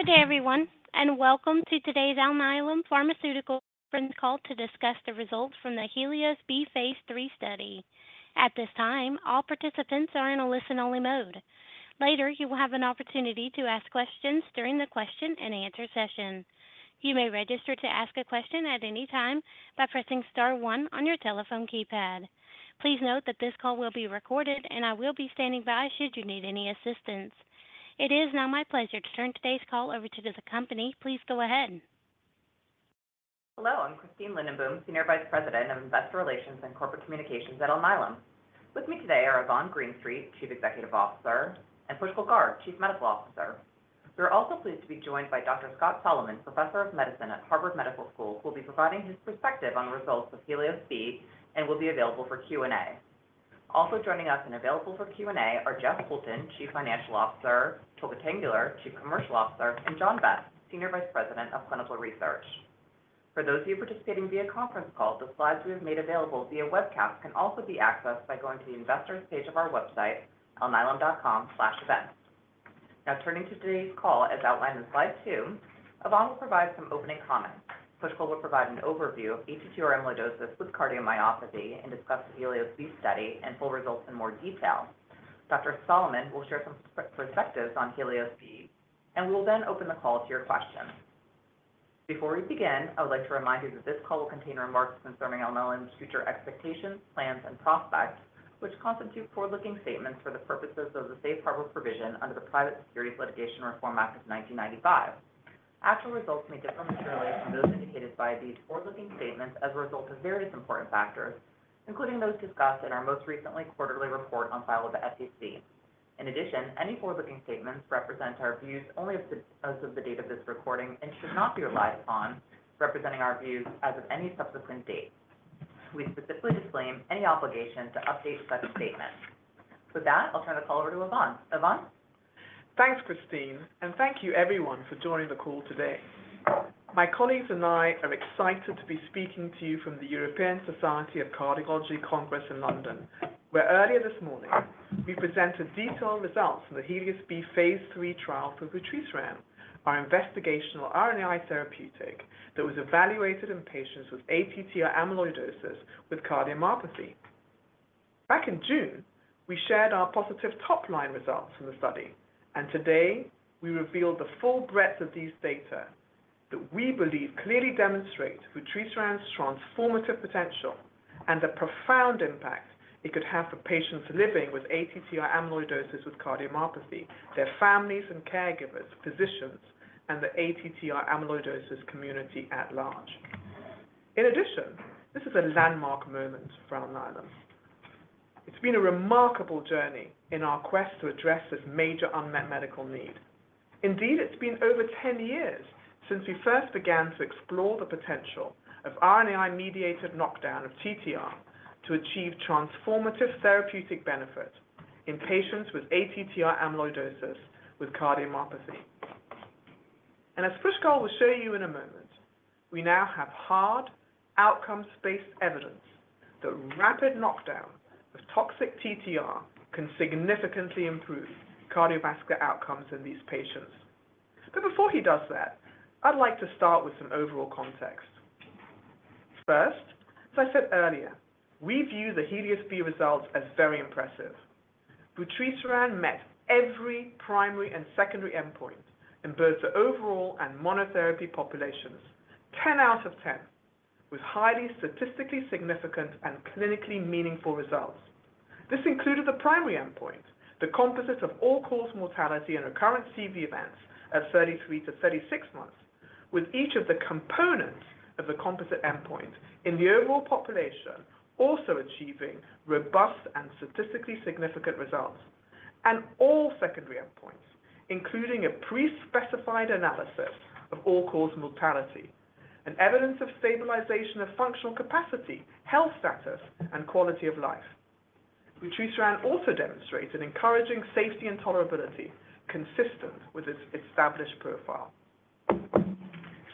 Good day, everyone, and welcome to today's Alnylam Pharmaceuticals conference call to discuss the results from the HELIOS-B Phase Three study. At this time, all participants are in a listen-only mode. Later, you will have an opportunity to ask questions during the question and answer session. You may register to ask a question at any time by pressing star one on your telephone keypad. Please note that this call will be recorded and I will be standing by should you need any assistance. It is now my pleasure to turn today's call over to the company. Please go ahead. Hello, I'm Christine Lindenboom, Senior Vice President of Investor Relations and Corporate Communications at Alnylam. With me today are Yvonne Greenstreet, Chief Executive Officer, and Pushkal Garg, Chief Medical Officer. We are also pleased to be joined by Dr. Scott Solomon, Professor of Medicine at Harvard Medical School, who will be providing his perspective on the results of HELIOS-B and will be available for Q&A. Also joining us and available for Q&A are Jeff Poulton, Chief Financial Officer, Tolga Tanguler, Chief Commercial Officer, and John Vest, Senior Vice President of Clinical Research. For those of you participating via conference call, the slides we have made available via webcast can also be accessed by going to the investors page of our website, alnylam.com/events. Now turning to today's call, as outlined in slide two, Yvonne will provide some opening comments. Pushkal will provide an overview of ATTR amyloidosis with cardiomyopathy and discuss the HELIOS-B study and full results in more detail. Dr. Solomon will share some perspectives on HELIOS-B, and we will then open the call to your questions. Before we begin, I would like to remind you that this call will contain remarks concerning Alnylam's future expectations, plans, and prospects, which constitute forward-looking statements for the purposes of the Safe Harbor provision under the Private Securities Litigation Reform Act of 1995. Actual results may differ materially from those indicated by these forward-looking statements as a result of various important factors, including those discussed in our most recent quarterly report on file with the SEC. In addition, any forward-looking statements represent our views only as of the date of this recording and should not be relied upon as representing our views as of any subsequent date. We specifically disclaim any obligation to update such statements. With that, I'll turn the call over to Yvonne. Yvonne? Thanks, Christine, and thank you everyone for joining the call today. My colleagues and I are excited to be speaking to you from the European Society of Cardiology Congress in London, where earlier this morning we presented detailed results from the HELIOS-B phase 3 trial for vutrisiran, our investigational RNAi therapeutic that was evaluated in patients with ATTR amyloidosis with cardiomyopathy. Back in June, we shared our positive top-line results from the study, and today we reveal the full breadth of these data that we believe clearly demonstrate vutrisiran's transformative potential and the profound impact it could have for patients living with ATTR amyloidosis with cardiomyopathy, their families and caregivers, physicians, and the ATTR amyloidosis community at large. In addition, this is a landmark moment for Alnylam. It's been a remarkable journey in our quest to address this major unmet medical need. Indeed, it's been over ten years since we first began to explore the potential of RNAi-mediated knockdown of TTR to achieve transformative therapeutic benefit in patients with ATTR amyloidosis with cardiomyopathy. And as Pushkal will show you in a moment, we now have hard outcomes-based evidence that rapid knockdown of toxic TTR can significantly improve cardiovascular outcomes in these patients. But before he does that, I'd like to start with some overall context. First, as I said earlier, we view the HELIOS-B results as very impressive. Vutrisiran met every primary and secondary endpoint in both the overall and monotherapy populations. Ten out of ten with highly statistically significant and clinically meaningful results. This included the primary endpoint, the composite of all-cause mortality and recurrent CV events at thirty-three to thirty-six months, with each of the components of the composite endpoint in the overall population also achieving robust and statistically significant results, and all secondary endpoints, including a pre-specified analysis of all-cause mortality and evidence of stabilization of functional capacity, health status, and quality of life. Vutrisiran also demonstrated encouraging safety and tolerability consistent with its established profile.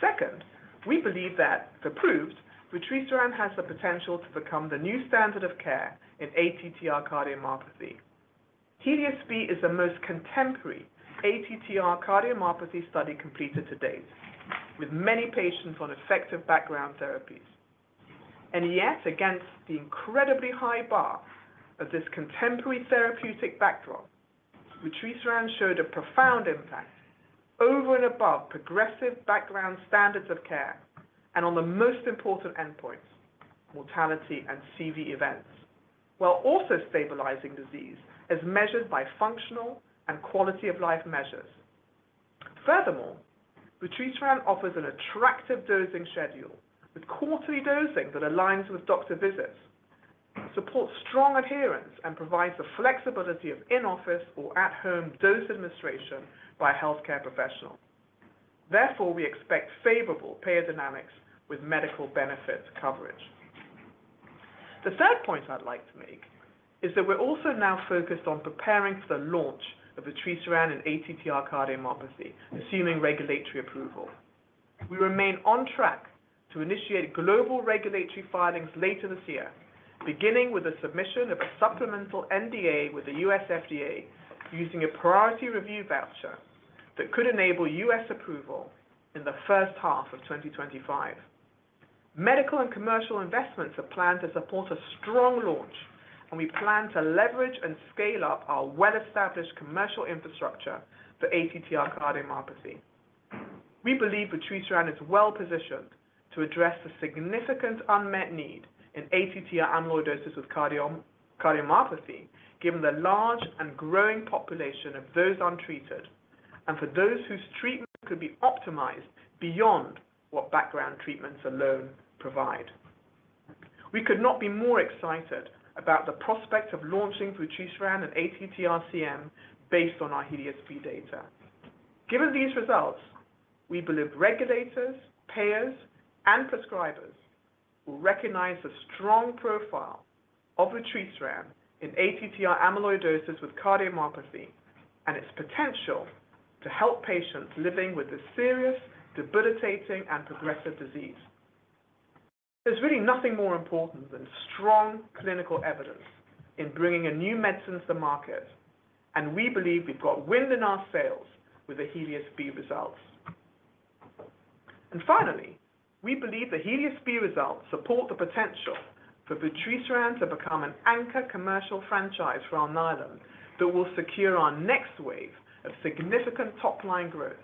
Second, we believe that, if approved, vutrisiran has the potential to become the new standard of care in ATTR cardiomyopathy. HELIOS-B is the most contemporary ATTR cardiomyopathy study completed to date, with many patients on effective background therapies. And yet, against the incredibly high bar of this contemporary therapeutic backdrop, vutrisiran showed a profound impact over and above progressive background standards of care and on the most important endpoints, mortality and CV events, while also stabilizing disease as measured by functional and quality of life measures. Furthermore, vutrisiran offers an attractive dosing schedule with quarterly dosing that aligns with doctor visits, supports strong adherence, and provides the flexibility of in-office or at-home dose administration by a healthcare professional. Therefore, we expect favorable payer dynamics with medical benefit coverage. The third point I'd like to make is that we're also now focused on preparing for the launch of vutrisiran in ATTR cardiomyopathy, assuming regulatory approval.... We remain on track to initiate global regulatory filings later this year, beginning with the submission of a supplemental NDA with the U.S. FDA, using a priority review voucher that could enable U.S. approval in the first half of 2025. Medical and commercial investments are planned to support a strong launch, and we plan to leverage and scale up our well-established commercial infrastructure for ATTR cardiomyopathy. We believe vutrisiran is well positioned to address the significant unmet need in ATTR amyloidosis with cardiomyopathy, given the large and growing population of those untreated, and for those whose treatment could be optimized beyond what background treatments alone provide. We could not be more excited about the prospect of launching vutrisiran and ATTR-CM based on our HELIOS-B data. Given these results, we believe regulators, payers, and prescribers will recognize the strong profile of vutrisiran in ATTR amyloidosis with cardiomyopathy and its potential to help patients living with this serious, debilitating, and progressive disease. There's really nothing more important than strong clinical evidence in bringing a new medicine to the market, and we believe we've got wind in our sails with the HELIOS-B results. And finally, we believe the HELIOS-B results support the potential for vutrisiran to become an anchor commercial franchise for Alnylam that will secure our next wave of significant top-line growth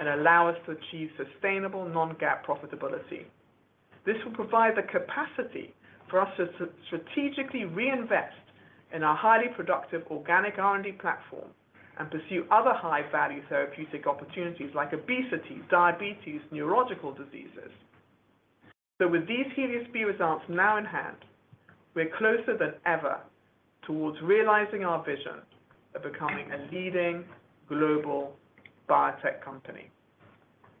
and allow us to achieve sustainable non-GAAP profitability. This will provide the capacity for us to strategically reinvest in our highly productive organic R&D platform and pursue other high-value therapeutic opportunities like obesity, diabetes, neurological diseases. So with these HELIOS-B results now in hand, we're closer than ever towards realizing our vision of becoming a leading global biotech company.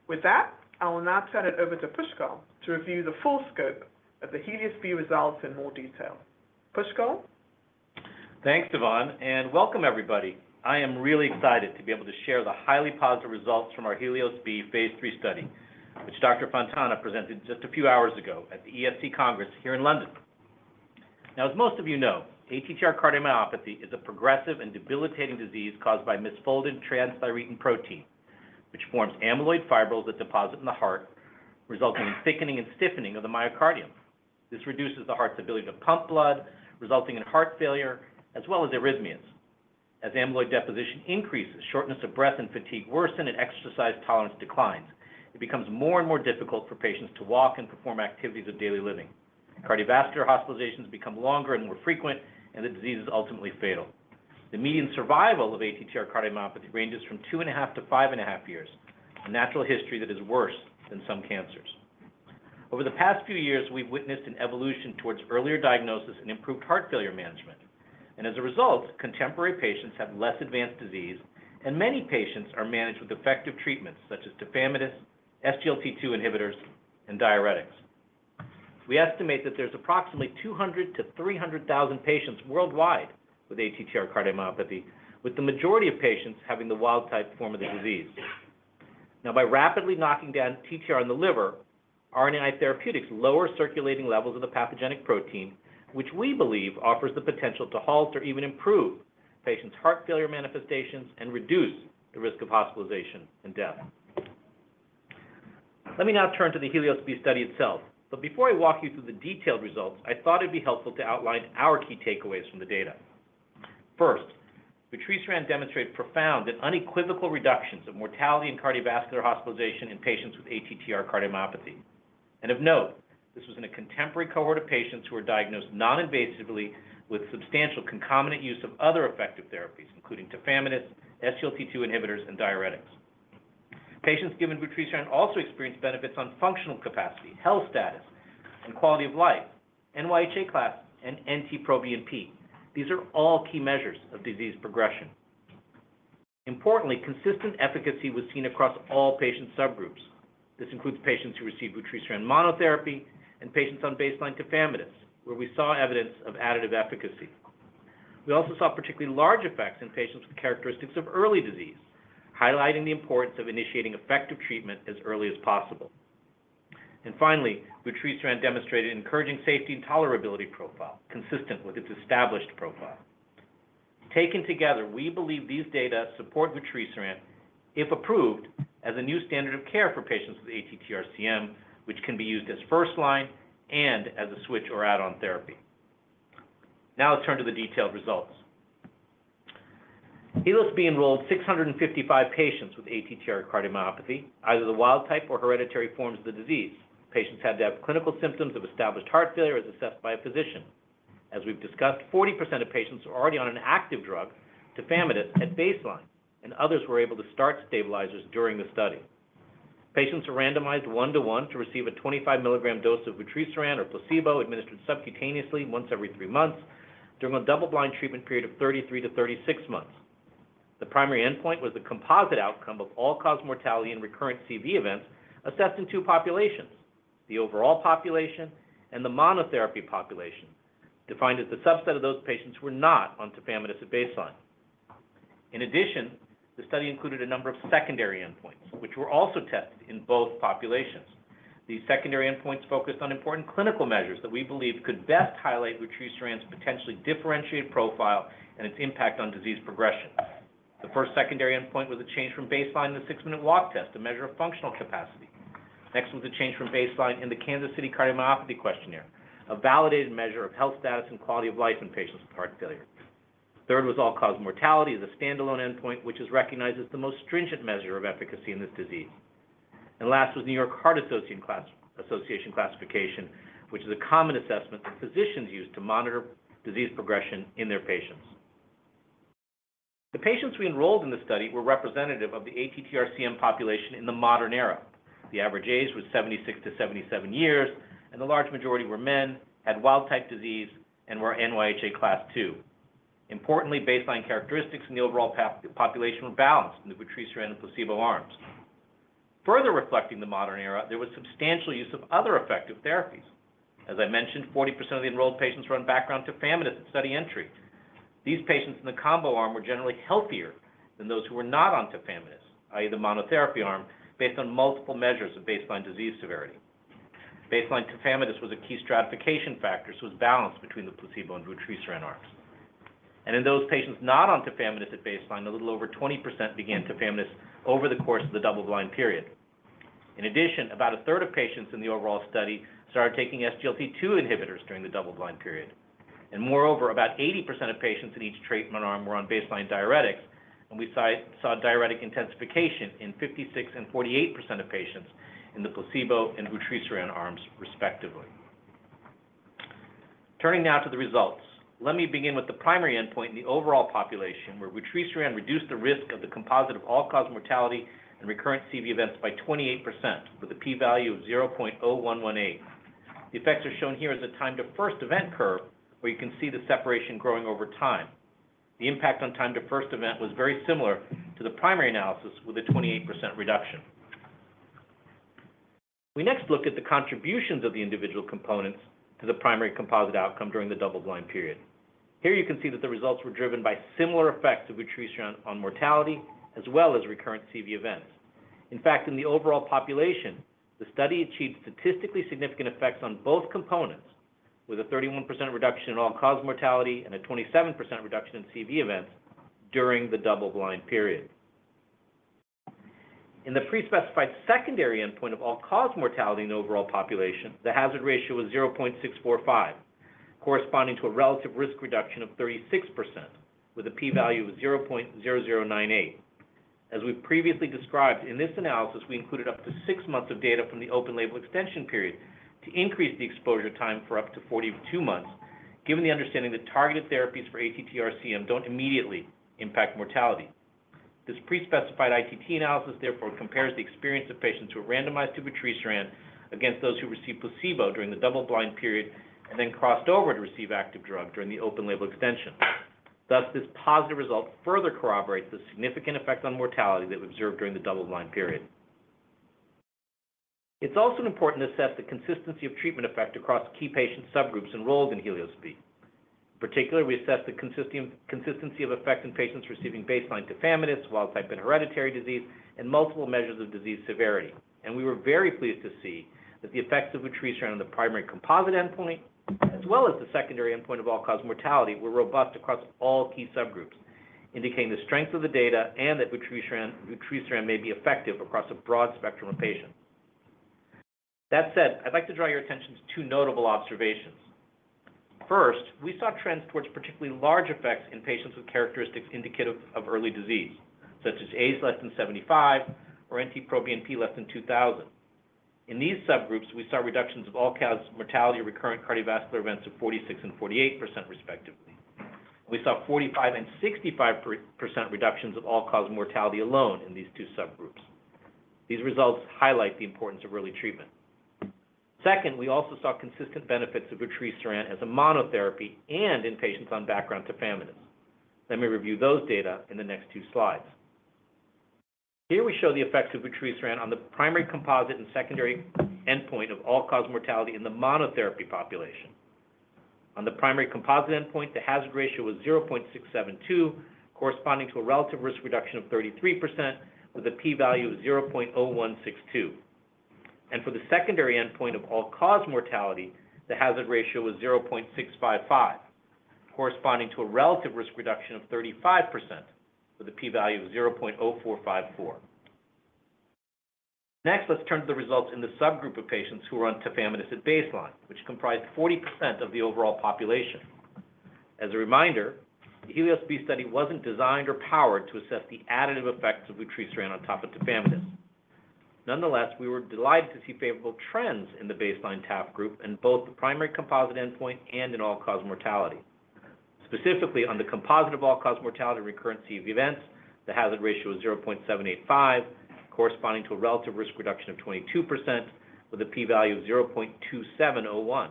With that, I will now turn it over to Pushkal to review the full scope of the HELIOS-B results in more detail. Pushkal? Thanks, Yvonne, and welcome everybody. I am really excited to be able to share the highly positive results from our HELIOS-B phase 3 study, which Dr. Fontana presented just a few hours ago at the ESC Congress here in London. Now, as most of you know, ATTR cardiomyopathy is a progressive and debilitating disease caused by misfolded transthyretin protein, which forms amyloid fibrils that deposit in the heart, resulting in thickening and stiffening of the myocardium. This reduces the heart's ability to pump blood, resulting in heart failure as well as arrhythmias. As amyloid deposition increases, shortness of breath and fatigue worsen and exercise tolerance declines. It becomes more and more difficult for patients to walk and perform activities of daily living. Cardiovascular hospitalizations become longer and more frequent, and the disease is ultimately fatal. The median survival of ATTR cardiomyopathy ranges from two and a half to five and a half years, a natural history that is worse than some cancers. Over the past few years, we've witnessed an evolution towards earlier diagnosis and improved heart failure management, and as a result, contemporary patients have less advanced disease, and many patients are managed with effective treatments such as tafamidis, SGLT2 inhibitors, and diuretics. We estimate that there's approximately two hundred to three hundred thousand patients worldwide with ATTR cardiomyopathy, with the majority of patients having the wild-type form of the disease. Now, by rapidly knocking down TTR in the liver, RNAi therapeutics lower circulating levels of the pathogenic protein, which we believe offers the potential to halt or even improve patients' heart failure manifestations and reduce the risk of hospitalization and death. Let me now turn to the HELIOS-B study itself, but before I walk you through the detailed results, I thought it'd be helpful to outline our key takeaways from the data. First, vutrisiran demonstrated profound and unequivocal reductions of mortality and cardiovascular hospitalization in patients with ATTR cardiomyopathy. And of note, this was in a contemporary cohort of patients who were diagnosed non-invasively with substantial concomitant use of other effective therapies, including tafamidis, SGLT2 inhibitors, and diuretics. Patients given vutrisiran also experienced benefits on functional capacity, health status, and quality of life, NYHA class, and NT-proBNP. These are all key measures of disease progression. Importantly, consistent efficacy was seen across all patient subgroups. This includes patients who received vutrisiran monotherapy and patients on baseline tafamidis, where we saw evidence of additive efficacy. We also saw particularly large effects in patients with characteristics of early disease, highlighting the importance of initiating effective treatment as early as possible. Finally, vutrisiran demonstrated encouraging safety and tolerability profile, consistent with its established profile. Taken together, we believe these data support vutrisiran, if approved, as a new standard of care for patients with ATTR-CM, which can be used as first line and as a switch or add-on therapy. Now, let's turn to the detailed results. HELIOS-B enrolled 655 patients with ATTR cardiomyopathy, either the wild type or hereditary forms of the disease. Patients had to have clinical symptoms of established heart failure, as assessed by a physician. As we've discussed, 40% of patients were already on an active drug, tafamidis, at baseline, and others were able to start stabilizers during the study. Patients were randomized one-to-one to receive a 25 milligram dose of vutrisiran or placebo, administered subcutaneously once every three months during a double-blind treatment period of 33 to 36 months. The primary endpoint was a composite outcome of all-cause mortality and recurrent CV events assessed in two populations: the overall population and the monotherapy population, defined as the subset of those patients who were not on tafamidis at baseline. In addition, the study included a number of secondary endpoints, which were also tested in both populations. These secondary endpoints focused on important clinical measures that we believed could best highlight vutrisiran's potentially differentiated profile and its impact on disease progression. The first secondary endpoint was a change from baseline, the six-minute walk test, a measure of functional capacity. Next was a change from baseline in the Kansas City Cardiomyopathy Questionnaire, a validated measure of health status and quality of life in patients with heart failure. Third was all-cause mortality as a standalone endpoint, which is recognized as the most stringent measure of efficacy in this disease. And last was New York Heart Association Classification, which is a common assessment that physicians use to monitor disease progression in their patients. The patients we enrolled in the study were representative of the ATTR-CM population in the modern era. The average age was seventy-six to seventy-seven years, and the large majority were men, had wild-type disease, and were NYHA Class II. Importantly, baseline characteristics in the overall population were balanced in the vutrisiran and placebo arms. Further reflecting the modern era, there was substantial use of other effective therapies. As I mentioned, 40% of the enrolled patients were on background tafamidis at study entry. These patients in the combo arm were generally healthier than those who were not on tafamidis, i.e., the monotherapy arm, based on multiple measures of baseline disease severity. Baseline tafamidis was a key stratification factor, so it was balanced between the placebo and vutrisiran arms. In those patients not on tafamidis at baseline, a little over 20% began tafamidis over the course of the double-blind period. In addition, about a third of patients in the overall study started taking SGLT2 inhibitors during the double-blind period. Moreover, about 80% of patients in each treatment arm were on baseline diuretics, and we saw diuretic intensification in 56% and 48% of patients in the placebo and vutrisiran arms, respectively. Turning now to the results. Let me begin with the primary endpoint in the overall population, where vutrisiran reduced the risk of the composite of all-cause mortality and recurrent CV events by 28%, with a p-value of zero point zero one one eight. The effects are shown here as a time to first event curve, where you can see the separation growing over time. The impact on time to first event was very similar to the primary analysis, with a 28% reduction. We next look at the contributions of the individual components to the primary composite outcome during the double-blind period. Here you can see that the results were driven by similar effects of vutrisiran on mortality, as well as recurrent CV events. In fact, in the overall population, the study achieved statistically significant effects on both components, with a 31% reduction in all-cause mortality and a 27% reduction in CV events during the double-blind period. In the pre-specified secondary endpoint of all-cause mortality in the overall population, the hazard ratio was 0.645, corresponding to a relative risk reduction of 36%, with a p-value of 0.0098. As we've previously described, in this analysis, we included up to six months of data from the open-label extension period to increase the exposure time for up to 42 months, given the understanding that targeted therapies for ATTR-CM don't immediately impact mortality. This pre-specified ICT analysis therefore compares the experience of patients who were randomized to vutrisiran against those who received placebo during the double-blind period and then crossed over to receive active drug during the open-label extension. Thus, this positive result further corroborates the significant effects on mortality that we observed during the double-blind period. It's also important to assess the consistency of treatment effect across key patient subgroups enrolled in HELIOS-B. Particularly, we assessed the consistency of effect in patients receiving baseline tafamidis, wild-type and hereditary disease, and multiple measures of disease severity, and we were very pleased to see that the effects of vutrisiran on the primary composite endpoint, as well as the secondary endpoint of all-cause mortality, were robust across all key subgroups, indicating the strength of the data and that vutrisiran may be effective across a broad spectrum of patients. That said, I'd like to draw your attention to two notable observations. First, we saw trends towards particularly large effects in patients with characteristics indicative of early disease, such as age less than seventy-five or NT-proBNP less than two thousand. In these subgroups, we saw reductions of all-cause mortality and recurrent cardiovascular events of 46% and 48%, respectively. We saw 45% and 65% reductions of all-cause mortality alone in these two subgroups. These results highlight the importance of early treatment. Second, we also saw consistent benefits of vutrisiran as a monotherapy and in patients on background tafamidis. Let me review those data in the next two slides. Here we show the effects of vutrisiran on the primary composite and secondary endpoint of all-cause mortality in the monotherapy population. On the primary composite endpoint, the hazard ratio was 0.672, corresponding to a relative risk reduction of 33%, with a p-value of 0.0162. For the secondary endpoint of all-cause mortality, the hazard ratio was 0.655, corresponding to a relative risk reduction of 35%, with a p-value of 0.0454. Next, let's turn to the results in the subgroup of patients who were on tafamidis at baseline, which comprised 40% of the overall population. As a reminder, the HELIOS-B study wasn't designed or powered to assess the additive effects of vutrisiran on top of tafamidis. Nonetheless, we were delighted to see favorable trends in the baseline TAF group in both the primary composite endpoint and in all-cause mortality. Specifically, on the composite of all-cause mortality and recurrence of events, the hazard ratio was 0.785, corresponding to a relative risk reduction of 22%, with a p-value of 0.2701.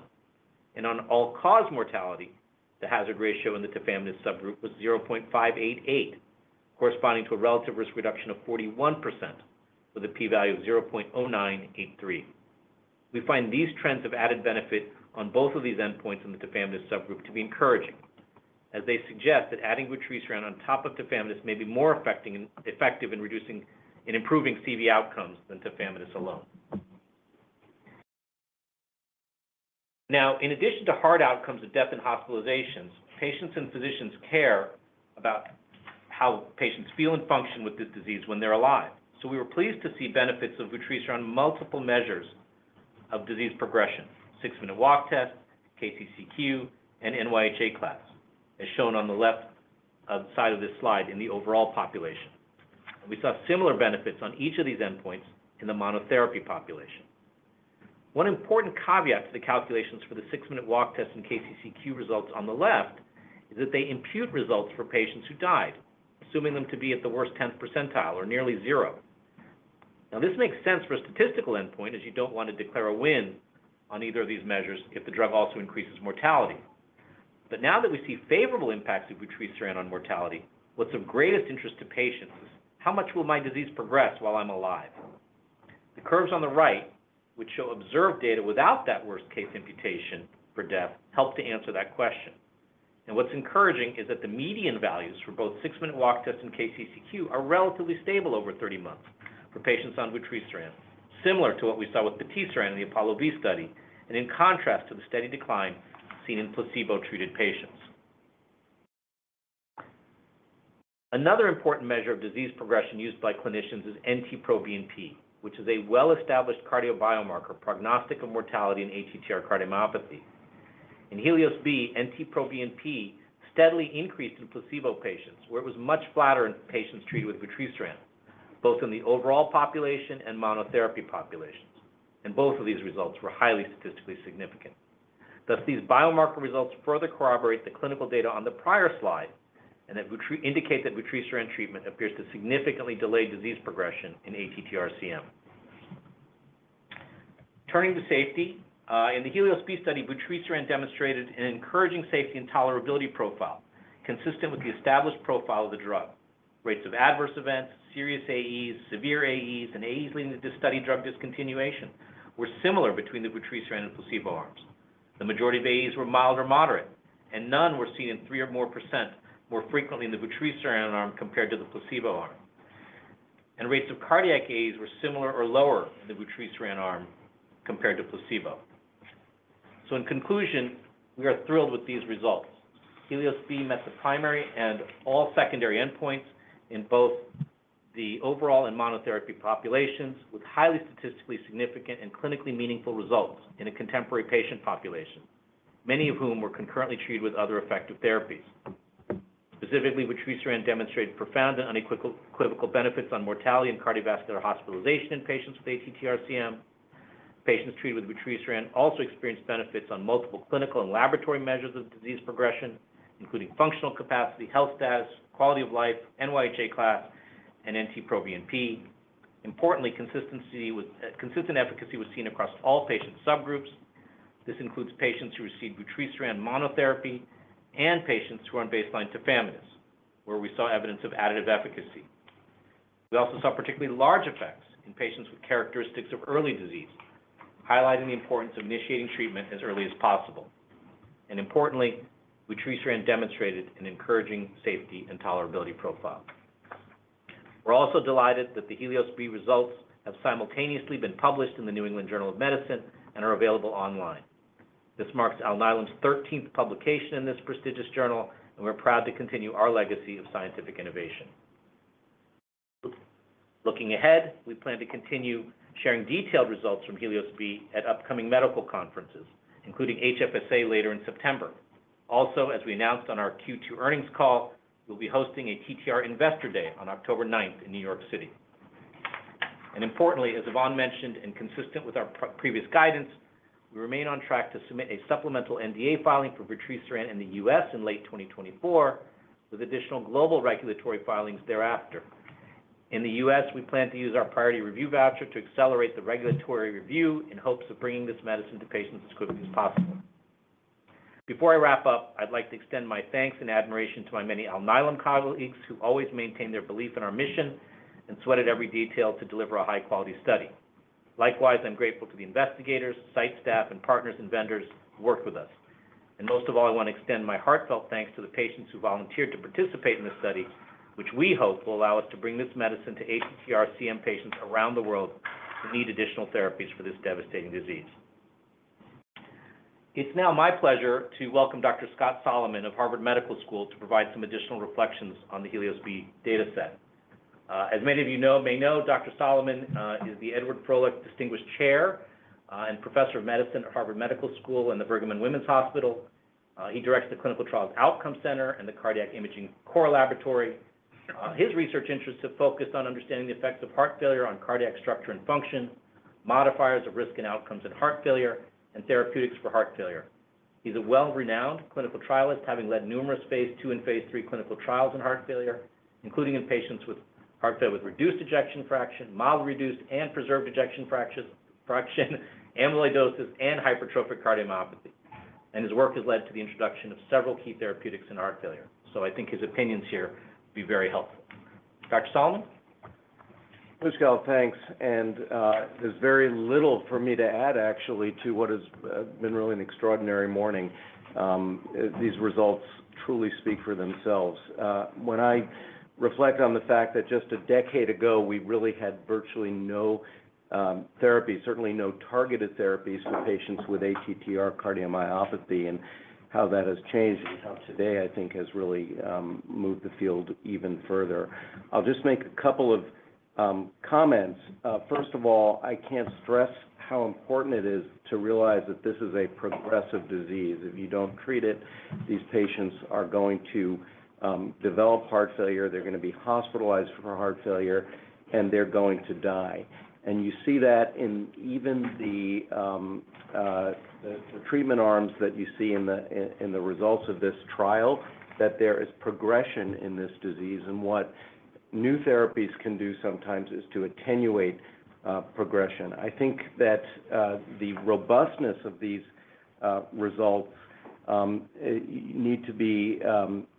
And on all-cause mortality, the hazard ratio in the tafamidis subgroup was 0.588, corresponding to a relative risk reduction of 41%, with a p-value of 0.0983.... We find these trends of added benefit on both of these endpoints in the tafamidis subgroup to be encouraging, as they suggest that adding vutrisiran on top of tafamidis may be more effective in reducing and improving CV outcomes than tafamidis alone. Now, in addition to heart outcomes of death and hospitalizations, patients and physicians care about how patients feel and function with this disease when they're alive. So we were pleased to see benefits of vutrisiran on multiple measures of disease progression, six-minute walk test, KCCQ, and NYHA class, as shown on the left side of this slide in the overall population. We saw similar benefits on each of these endpoints in the monotherapy population. One important caveat to the calculations for the six-minute walk test and KCCQ results on the left is that they impute results for patients who died, assuming them to be at the worst tenth percentile or nearly zero. Now, this makes sense for a statistical endpoint, as you don't want to declare a win on either of these measures if the drug also increases mortality. But now that we see favorable impacts of vutrisiran on mortality, what's of greatest interest to patients is: how much will my disease progress while I'm alive? The curves on the right, which show observed data without that worst-case imputation for death, help to answer that question. And what's encouraging is that the median values for both six-minute walk tests and KCCQ are relatively stable over thirty months for patients on vutrisiran, similar to what we saw with patisiran in the APOLLO-B study, and in contrast to the steady decline seen in placebo-treated patients. Another important measure of disease progression used by clinicians is NT-proBNP, which is a well-established cardio biomarker, prognostic of mortality in ATTR cardiomyopathy. In HELIOS-B, NT-proBNP steadily increased in placebo patients, where it was much flatter in patients treated with vutrisiran, both in the overall population and monotherapy populations. And both of these results were highly statistically significant. Thus, these biomarker results further corroborate the clinical data on the prior slide and indicate that vutrisiran treatment appears to significantly delay disease progression in ATTR-CM. Turning to safety, in the HELIOS-B study, vutrisiran demonstrated an encouraging safety and tolerability profile, consistent with the established profile of the drug. Rates of adverse events, serious AEs, severe AEs, and AEs leading to study drug discontinuation were similar between the vutrisiran and placebo arms. The majority of AEs were mild or moderate, and none were seen 3% or more frequently in the vutrisiran arm compared to the placebo arm. Rates of cardiac AEs were similar or lower in the vutrisiran arm compared to placebo. In conclusion, we are thrilled with these results. HELIOS-B met the primary and all secondary endpoints in both the overall and monotherapy populations, with highly statistically significant and clinically meaningful results in a contemporary patient population, many of whom were concurrently treated with other effective therapies. Specifically, vutrisiran demonstrated profound and unequivocal clinical benefits on mortality and cardiovascular hospitalization in patients with ATTR-CM. Patients treated with vutrisiran also experienced benefits on multiple clinical and laboratory measures of disease progression, including functional capacity, health status, quality of life, NYHA class, and NT-proBNP. Importantly, consistent efficacy was seen across all patient subgroups. This includes patients who received vutrisiran monotherapy and patients who were on baseline tafamidis, where we saw evidence of additive efficacy. We also saw particularly large effects in patients with characteristics of early disease, highlighting the importance of initiating treatment as early as possible. Importantly, vutrisiran demonstrated an encouraging safety and tolerability profile. We're also delighted that the HELIOS-B results have simultaneously been published in the New England Journal of Medicine and are available online. This marks Alnylam's thirteenth publication in this prestigious journal, and we're proud to continue our legacy of scientific innovation. Looking ahead, we plan to continue sharing detailed results from HELIOS-B at upcoming medical conferences, including HFSA later in September. Also, as we announced on our Q2 earnings call, we'll be hosting a TTR Investor Day on October ninth in New York City. And importantly, as Yvonne mentioned, and consistent with our previous guidance, we remain on track to submit a supplemental NDA filing for vutrisiran in the U.S. in late 2024, with additional global regulatory filings thereafter. In the U.S., we plan to use our priority review voucher to accelerate the regulatory review in hopes of bringing this medicine to patients as quickly as possible. Before I wrap up, I'd like to extend my thanks and admiration to my many Alnylam colleagues, who always maintain their belief in our mission and sweated every detail to deliver a high-quality study. Likewise, I'm grateful to the investigators, site staff, and partners and vendors who worked with us and most of all, I want to extend my heartfelt thanks to the patients who volunteered to participate in this study, which we hope will allow us to bring this medicine to ATTR-CM patients around the world who need additional therapies for this devastating disease. It's now my pleasure to welcome Dr. Scott Solomon of Harvard Medical School to provide some additional reflections on the HELIOS-B data set. As many of you know, Dr. Solomon is the Edward Frohlich Distinguished Chair and Professor of Medicine at Harvard Medical School and the Brigham and Women's Hospital. He directs the Clinical Trials Outcome Center and the Cardiac Imaging Core Laboratory. His research interests have focused on understanding the effects of heart failure on cardiac structure and function, modifiers of risk and outcomes in heart failure, and therapeutics for heart failure. He's a well-renowned clinical trialist, having led numerous phase II and phase III clinical trials in heart failure, including in patients with heart failure with reduced ejection fraction, mild reduced and preserved ejection fractions, amyloidosis, and hypertrophic cardiomyopathy. And his work has led to the introduction of several key therapeutics in heart failure. So I think his opinions here will be very helpful. Dr. Solomon? ... Thanks. And, there's very little for me to add actually to what has been really an extraordinary morning. These results truly speak for themselves. When I reflect on the fact that just a decade ago, we really had virtually no therapy, certainly no targeted therapies for patients with ATTR cardiomyopathy, and how that has changed, and how today, I think, has really moved the field even further. I'll just make a couple of comments. First of all, I can't stress how important it is to realize that this is a progressive disease. If you don't treat it, these patients are going to develop heart failure, they're going to be hospitalized for heart failure, and they're going to die. And you see that in even the treatment arms that you see in the results of this trial, that there is progression in this disease, and what new therapies can do sometimes is to attenuate progression. I think that the robustness of these results need to be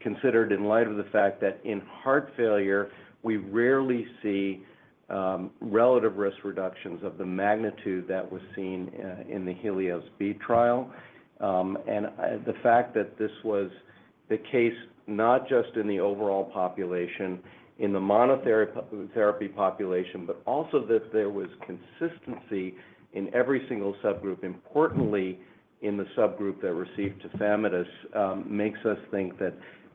considered in light of the fact that in heart failure, we rarely see relative risk reductions of the magnitude that was seen in the HELIOS-B trial. And the fact that this was the case, not just in the overall population, in the monotherapy population, but also that there was consistency in every single subgroup, importantly, in the subgroup that received tafamidis, makes us think that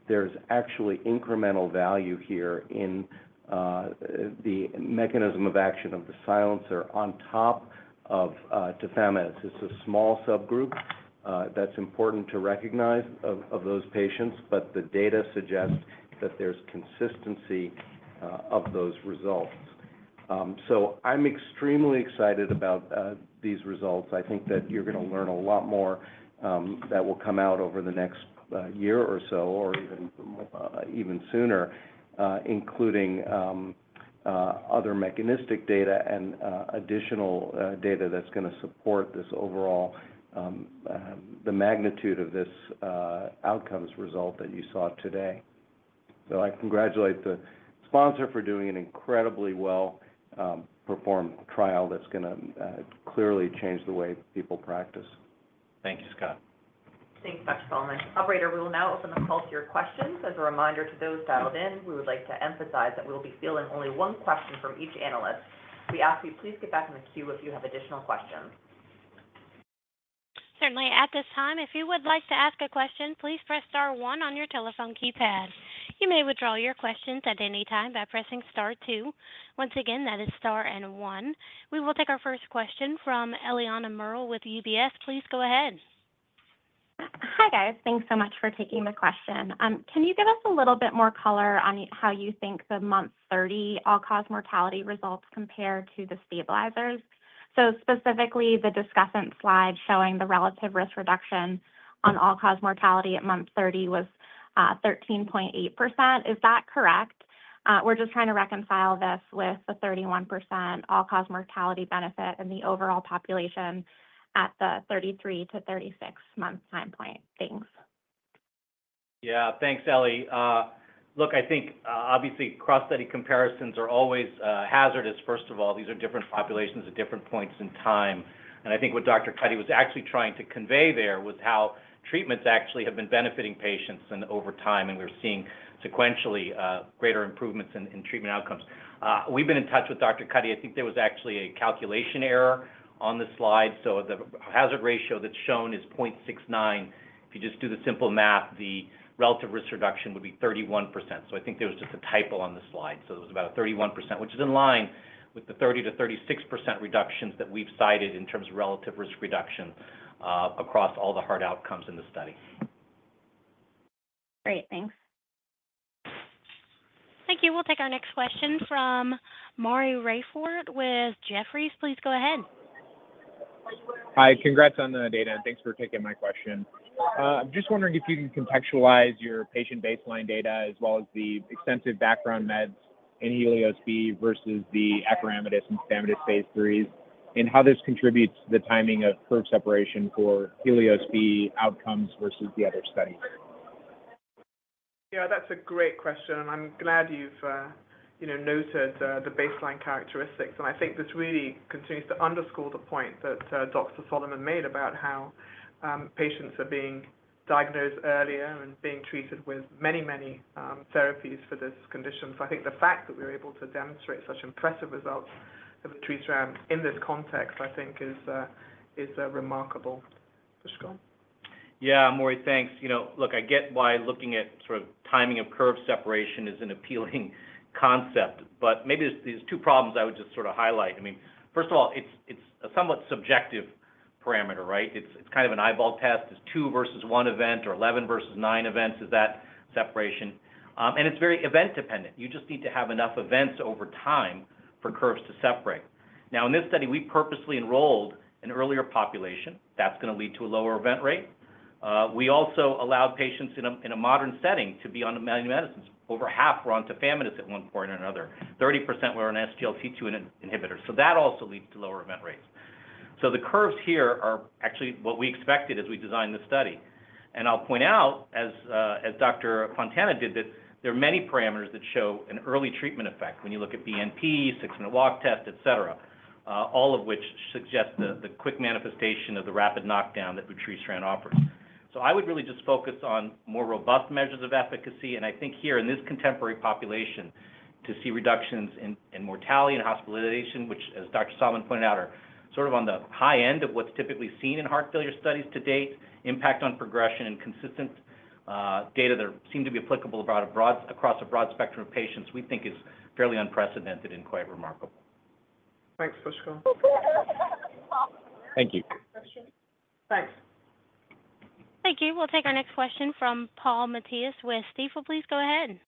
there's actually incremental value here in the mechanism of action of the silencer on top of tafamidis. It's a small subgroup that's important to recognize of those patients, but the data suggests that there's consistency of those results, so I'm extremely excited about these results. I think that you're gonna learn a lot more that will come out over the next year or so, or even sooner, including other mechanistic data and additional data that's gonna support this overall the magnitude of this outcomes result that you saw today, so I congratulate the sponsor for doing an incredibly well performed trial that's gonna clearly change the way people practice. Thank you, Scott. Thanks, Dr. Solomon. Operator, we will now open the call to your questions. As a reminder to those dialed in, we would like to emphasize that we will be fielding only one question from each analyst. We ask you, please get back in the queue if you have additional questions. Certainly. At this time, if you would like to ask a question, please press star one on your telephone keypad. You may withdraw your questions at any time by pressing star two. Once again, that is star and one. We will take our first question from Eliana Merle with UBS. Please go ahead. Hi, guys. Thanks so much for taking the question. Can you give us a little bit more color on how you think the month 30 all-cause mortality results compare to the stabilizers? So specifically, the discussant slide showing the relative risk reduction on all-cause mortality at month 30 was 13.8%. Is that correct? We're just trying to reconcile this with the 31% all-cause mortality benefit in the overall population at the 33- to 36-month time point. Thanks. Yeah. Thanks, Ellie. Look, I think, obviously, cross-study comparisons are always hazardous. First of all, these are different populations at different points in time. And I think what Dr. Cuddy was actually trying to convey there was how treatments actually have been benefiting patients and over time, and we're seeing sequentially greater improvements in treatment outcomes. We've been in touch with Dr. Cuddy. I think there was actually a calculation error on the slide. So the hazard ratio that's shown is point six nine. If you just do the simple math, the relative risk reduction would be 31%. So I think there was just a typo on the slide. It was about a 31%, which is in line with the 30%-36% reductions that we've cited in terms of relative risk reduction across all the hard outcomes in the study. Great. Thanks. Thank you. We'll take our next question from Maury Raycroft with Jefferies. Please go ahead. Hi, congrats on the data, and thanks for taking my question. I'm just wondering if you can contextualize your patient baseline data as well as the extensive background meds in HELIOS-B versus the acoramidis and tafamidis phase 3s, and how this contributes to the timing of curve separation for HELIOS-B outcomes versus the other studies? Yeah, that's a great question, and I'm glad you've noted the baseline characteristics. And I think this really continues to underscore the point that Dr. Solomon made about how patients are being diagnosed earlier and being treated with many, many therapies for this condition. So I think the fact that we were able to demonstrate such impressive results of the treatment in this context, I think is remarkable. Scott? Yeah, Maury, thanks. You know, look, I get why looking at sort of timing of curve separation is an appealing concept, but maybe there's two problems I would just sort of highlight. I mean, first of all, it's a somewhat subjective parameter, right? It's kind of an eyeball test. It's two versus one event or eleven versus nine events is that separation? And it's very event dependent. You just need to have enough events over time for curves to separate. Now, in this study, we purposely enrolled an earlier population that's gonna lead to a lower event rate. We also allowed patients in a modern setting to be on many medicines. Over half were on tafamidis at one point or another, 30% were on SGLT2 inhibitor, so that also leads to lower event rates. So the curves here are actually what we expected as we designed the study. And I'll point out, as Dr. Fontana did, that there are many parameters that show an early treatment effect. When you look at BNP, six-minute walk test, etc., all of which suggest the quick manifestation of the rapid knockdown that vutrisiran offers. So I would really just focus on more robust measures of efficacy, and I think here in this contemporary population, to see reductions in mortality and hospitalization, which, as Dr. Solomon pointed out, are sort of on the high end of what's typically seen in heart failure studies to date, impact on progression and consistent data that seem to be applicable across a broad spectrum of patients, we think is fairly unprecedented and quite remarkable. Thanks, Pushkar. Thank you. Thanks. Thank you. We'll take our next question from Paul Matteis with Stifel. Please go ahead.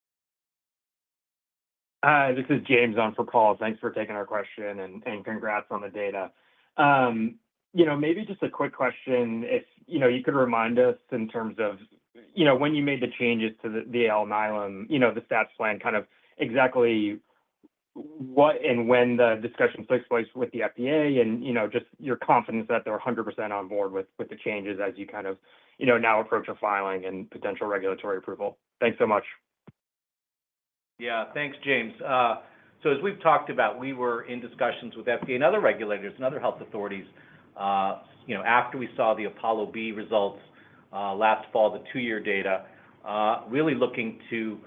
Hi, this is James on for Paul. Thanks for taking our question, and congrats on the data. You know, maybe just a quick question, if you know, you could remind us in terms of, you know, when you made the changes to the Alnylam, you know, the stats plan, kind of exactly what and when the discussions took place with the FDA, and you know, just your confidence that they're 100% on board with the changes as you kind of, you know, now approach a filing and potential regulatory approval. Thanks so much. Yeah, thanks, James. So as we've talked about, we were in discussions with FDA and other regulators and other health authorities, you know, after we saw the APOLLO-B results, last fall, the two-year data, really looking to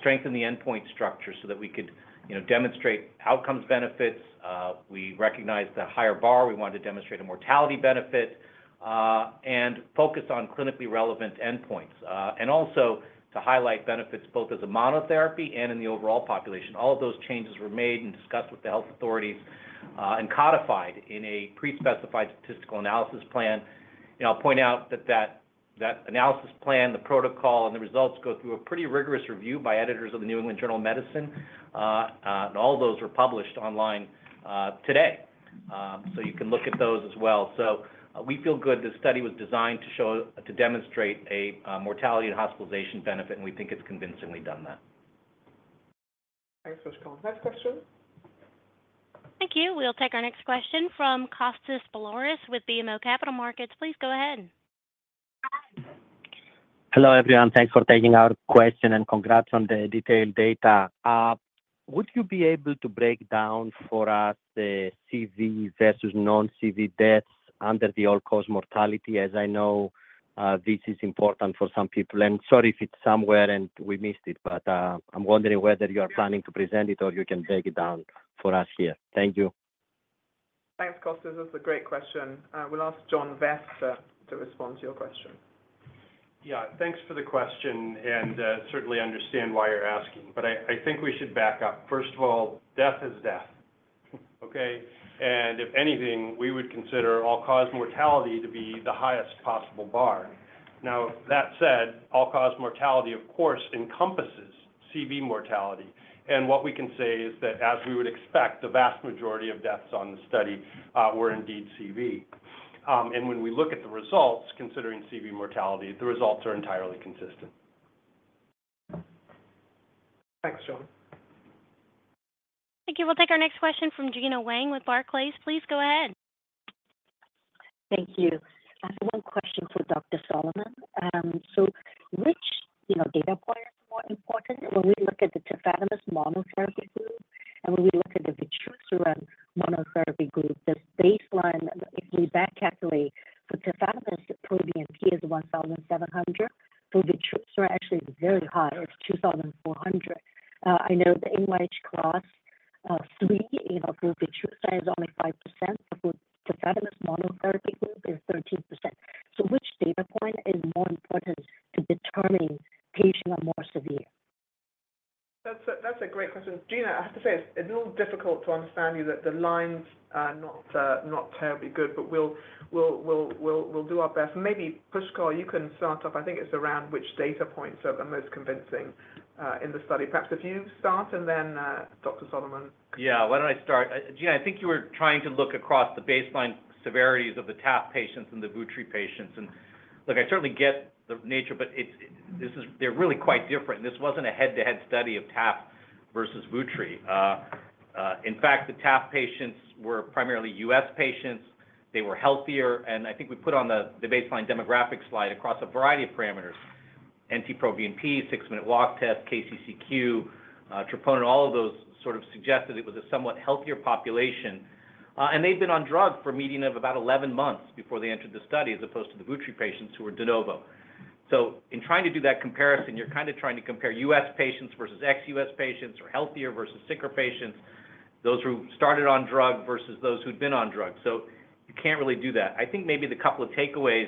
strengthen the endpoint structure so that we could, you know, demonstrate outcomes benefits. We recognized the higher bar. We wanted to demonstrate a mortality benefit, and focus on clinically relevant endpoints. And also to highlight benefits both as a monotherapy and in the overall population. All of those changes were made and discussed with the health authorities, and codified in a pre-specified statistical analysis plan. And I'll point out that analysis plan, the protocol, and the results go through a pretty rigorous review by editors of the New England Journal of Medicine, and all those were published online, today. So you can look at those as well. So we feel good this study was designed to show, to demonstrate a mortality and hospitalization benefit, and we think it's convincingly done that. Thanks, Pushkal. Next question. Thank you. We'll take our next question from Kostas Biliouris with BMO Capital Markets. Please go ahead. Hello, everyone. Thanks for taking our question, and congrats on the detailed data. Would you be able to break down for us the CV versus non-CV deaths under the all-cause mortality? As I know, this is important for some people, and sorry if it's somewhere and we missed it, but, I'm wondering whether you are planning to present it or you can break it down for us here. Thank you. Thanks, Kostas. That's a great question. We'll ask John Vest to respond to your question. Yeah, thanks for the question, and certainly understand why you're asking, but I think we should back up. First of all, death is death. Okay? And if anything, we would consider all-cause mortality to be the highest possible bar. Now, that said, all-cause mortality, of course, encompasses CV mortality. And what we can say is that, as we would expect, the vast majority of deaths on the study were indeed CV. And when we look at the results, considering CV mortality, the results are entirely consistent. Thanks, John. Thank you. We'll take our next question from Gina Wang with Barclays. Please go ahead. Thank you. I have one question for Dr. Solomon. So which, you know, data point is more important when we look at the tafamidis monotherapy group and when we look at the vutrisiran monotherapy group, this baseline, if we back calculate, for tafamidis, proBNP is one thousand seven hundred. For vutrisiran, actually, it's very high, it's two thousand four hundred. I know the NYHA Class three, you know, group vutrisiran is only 5%, but for tafamidis monotherapy group is 13%. So which data point is more important to determining patient are more severe? That's a great question. Gina, I have to say, it's a little difficult to understand you, that the lines are not terribly good, but we'll do our best. Maybe, Pushkal, you can start off. I think it's around which data points are the most convincing in the study. Perhaps if you start and then, Dr. Solomon. Yeah, why don't I start? Gina, I think you were trying to look across the baseline severities of the TAF patients and the vutrisiran patients. And look, I certainly get the nature, but it's, this is, they're really quite different. This wasn't a head-to-head study of TAF versus vutrisiran. In fact, the TAF patients were primarily US patients. They were healthier, and I think we put on the baseline demographic slide across a variety of parameters. NT-proBNP, six-minute walk test, KCCQ, troponin, all of those sort of suggested it was a somewhat healthier population. And they'd been on drug for a median of about eleven months before they entered the study, as opposed to the vutrisiran patients, who were de novo. So in trying to do that comparison, you're kind of trying to compare U.S. patients versus ex-U.S. patients or healthier versus sicker patients, those who started on drug versus those who'd been on drug. So you can't really do that. I think maybe the couple of takeaways,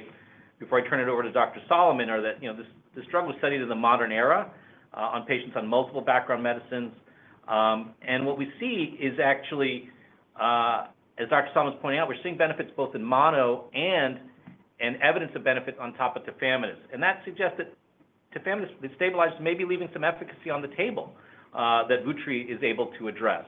before I turn it over to Dr. Solomon, are that, you know, this, this drug was studied in the modern era, on patients on multiple background medicines. And what we see is actually, as Dr. Solomon was pointing out, we're seeing benefits both in mono and, and evidence of benefits on top of tafamidis. And that suggests that tafamidis, TTR stabilizers may be leaving some efficacy on the table, that Vutri is able to address.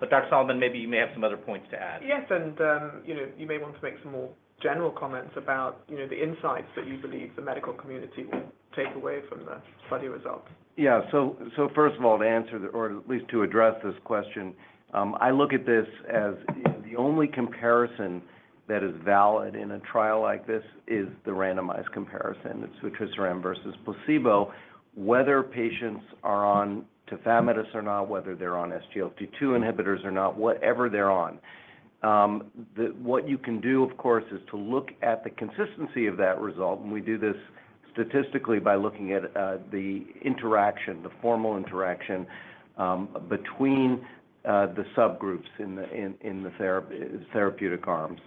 But Dr. Solomon, maybe you may have some other points to add. Yes, and, you know, you may want to make some more general comments about, you know, the insights that you believe the medical community will take away from the study results. Yeah. So first of all, to answer the, or at least to address this question, I look at this as, you know, the only comparison that is valid in a trial like this is the randomized comparison, it's vutrisiran versus placebo, whether patients are on tafamidis or not, whether they're on SGLT2 inhibitors or not, whatever they're on. What you can do, of course, is to look at the consistency of that result, and we do this statistically by looking at the interaction, the formal interaction, between the subgroups in the therapeutic arms.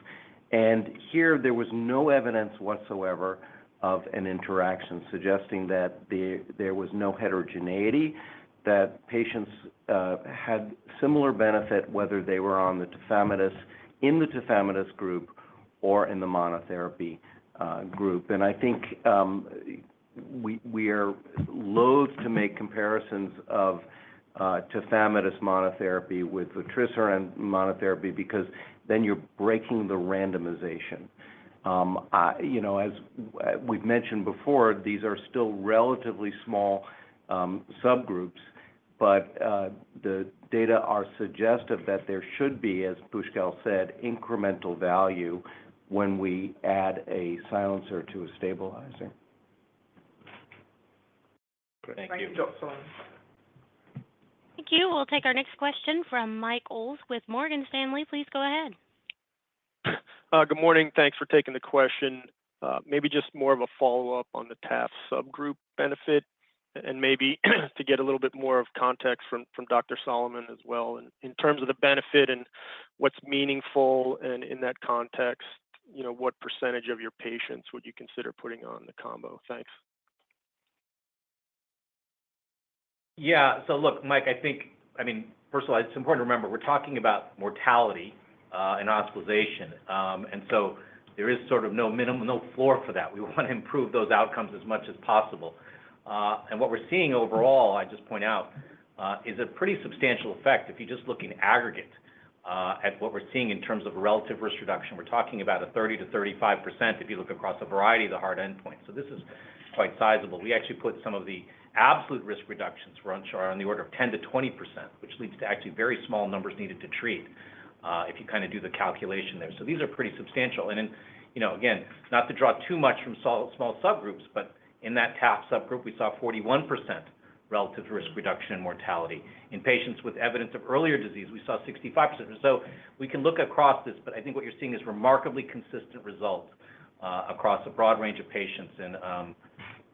And here, there was no evidence whatsoever of an interaction suggesting that there was no heterogeneity, that patients had similar benefit, whether they were on the tafamidis, in the tafamidis group or in the monotherapy group. I think, we are loath to make comparisons of tafamidis monotherapy with vutrisiran monotherapy because then you're breaking the randomization. You know, as we've mentioned before, these are still relatively small subgroups, but the data are suggestive that there should be, as Pushkal said, incremental value when we add a silencer to a stabilizer. Thank you. Thank you, Dr. Solomon. Thank you. We'll take our next question from Mike Ulz with Morgan Stanley. Please go ahead. Good morning. Thanks for taking the question. Maybe just more of a follow-up on the TAF subgroup benefit, and maybe to get a little bit more of context from Dr. Solomon as well. In terms of the benefit and what's meaningful, and in that context, you know, what percentage of your patients would you consider putting on the combo? Thanks. Yeah. So look, Mike, I think, I mean, first of all, it's important to remember, we're talking about mortality and hospitalization. And so there is sort of no minimum, no floor for that. We want to improve those outcomes as much as possible. And what we're seeing overall, I just point out, is a pretty substantial effect if you just look in aggregate at what we're seeing in terms of relative risk reduction. We're talking about 30-35% if you look across a variety of the hard endpoints. So this is quite sizable. We actually put some of the absolute risk reductions, which are on the order of 10-20%, which leads to actually very small numbers needed to treat if you kind of do the calculation there. So these are pretty substantial. You know, again, not to draw too much from small, small subgroups, but in that TAF subgroup, we saw 41% relative risk reduction in mortality. In patients with evidence of earlier disease, we saw 65%. We can look across this, but I think what you're seeing is remarkably consistent results across a broad range of patients.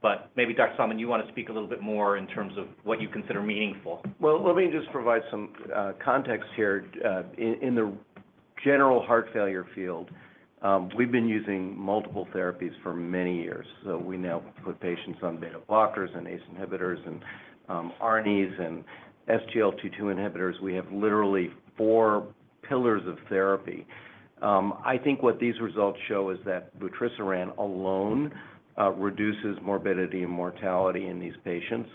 But maybe, Dr. Solomon, you want to speak a little bit more in terms of what you consider meaningful. Let me just provide some context here. In the general heart failure field, we've been using multiple therapies for many years. We now put patients on beta blockers and ACE inhibitors and ARNIs and SGLT2 inhibitors. We have literally four pillars of therapy. I think what these results show is that vutrisiran alone reduces morbidity and mortality in these patients,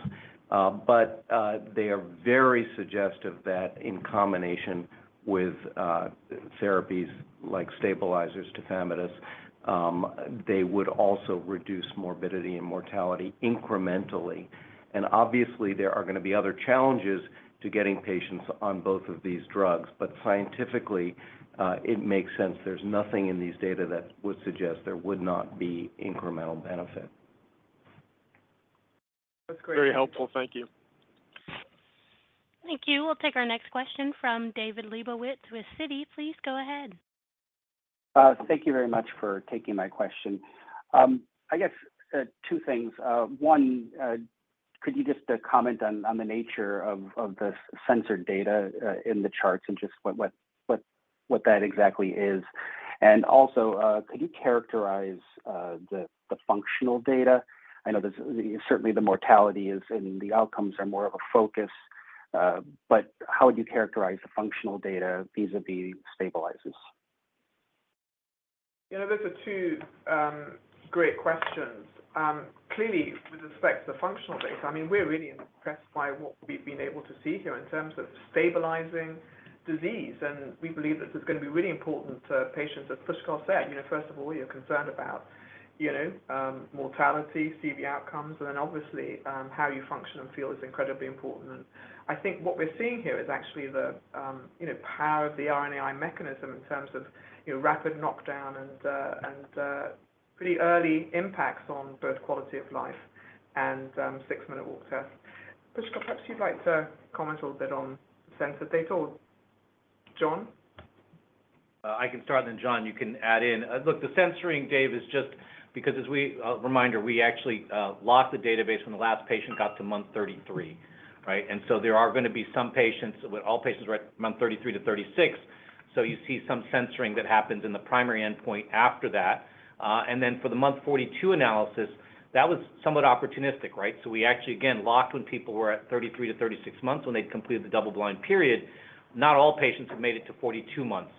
but they are very suggestive that in combination with therapies like stabilizers, tafamidis, they would also reduce morbidity and mortality incrementally. Obviously, there are gonna be other challenges to getting patients on both of these drugs, but scientifically, it makes sense. There's nothing in these data that would suggest there would not be incremental benefit. That's great. Very helpful. Thank you. Thank you. We'll take our next question from David Lebowitz with Citi. Please go ahead. Thank you very much for taking my question. I guess two things. One, could you just comment on the nature of the censored data in the charts and just what that exactly is? And also, could you characterize the functional data? I know certainly the mortality is, and the outcomes are more of a focus, but how would you characterize the functional data, vis-à-vis stabilizers? You know, those are two great questions. Clearly, with respect to the functional data, I mean, we're really impressed by what we've been able to see here in terms of stabilizing disease, and we believe this is gonna be really important to patients. As Pushkal said, you know, first of all, you're concerned about, you know, mortality, CV outcomes, and then obviously, how you function and feel is incredibly important. I think what we're seeing here is actually the, you know, power of the RNAi mechanism in terms of, you know, rapid knockdown and pretty early impacts on both quality of life and six-minute walk test. Pushkal, perhaps you'd like to comment a little bit on the censored data or John? I can start, and then, John, you can add in. Look, the censoring, Dave, is just because as a reminder, we actually locked the database when the last patient got to month thirty-three, right? And so there are gonna be some patients, with all patients reaching month thirty-three to thirty-six, so you see some censoring that happens in the primary endpoint after that. And then for the month forty-two analysis, that was somewhat opportunistic, right? So we actually, again, locked when people were at thirty-three to thirty-six months when they'd completed the double-blind period. Not all patients have made it to forty-two months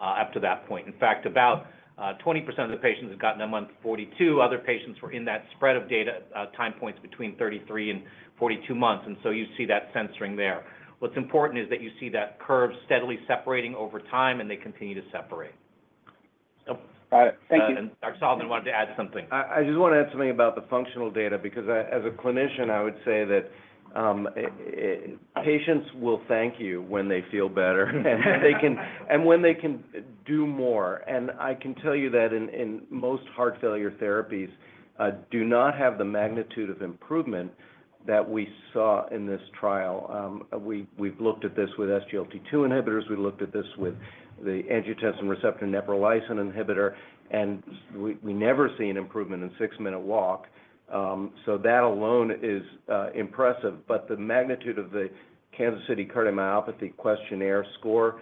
up to that point. In fact, about 20% of the patients had gotten to month forty-two. Other patients were in that spread of data time points between thirty-three and forty-two months, and so you see that censoring there. What's important is that you see that curve steadily separating over time, and they continue to separate. Got it. Thank you. Dr. Solomon wanted to add something. I just want to add something about the functional data, because as a clinician, I would say that patients will thank you when they feel better, and when they can do more, and I can tell you that in most heart failure therapies do not have the magnitude of improvement that we saw in this trial. We've looked at this with SGLT2 inhibitors, we looked at this with the angiotensin receptor neprilysin inhibitor, and we never see an improvement in six-minute walk, so that alone is impressive, but the magnitude of the Kansas City Cardiomyopathy Questionnaire score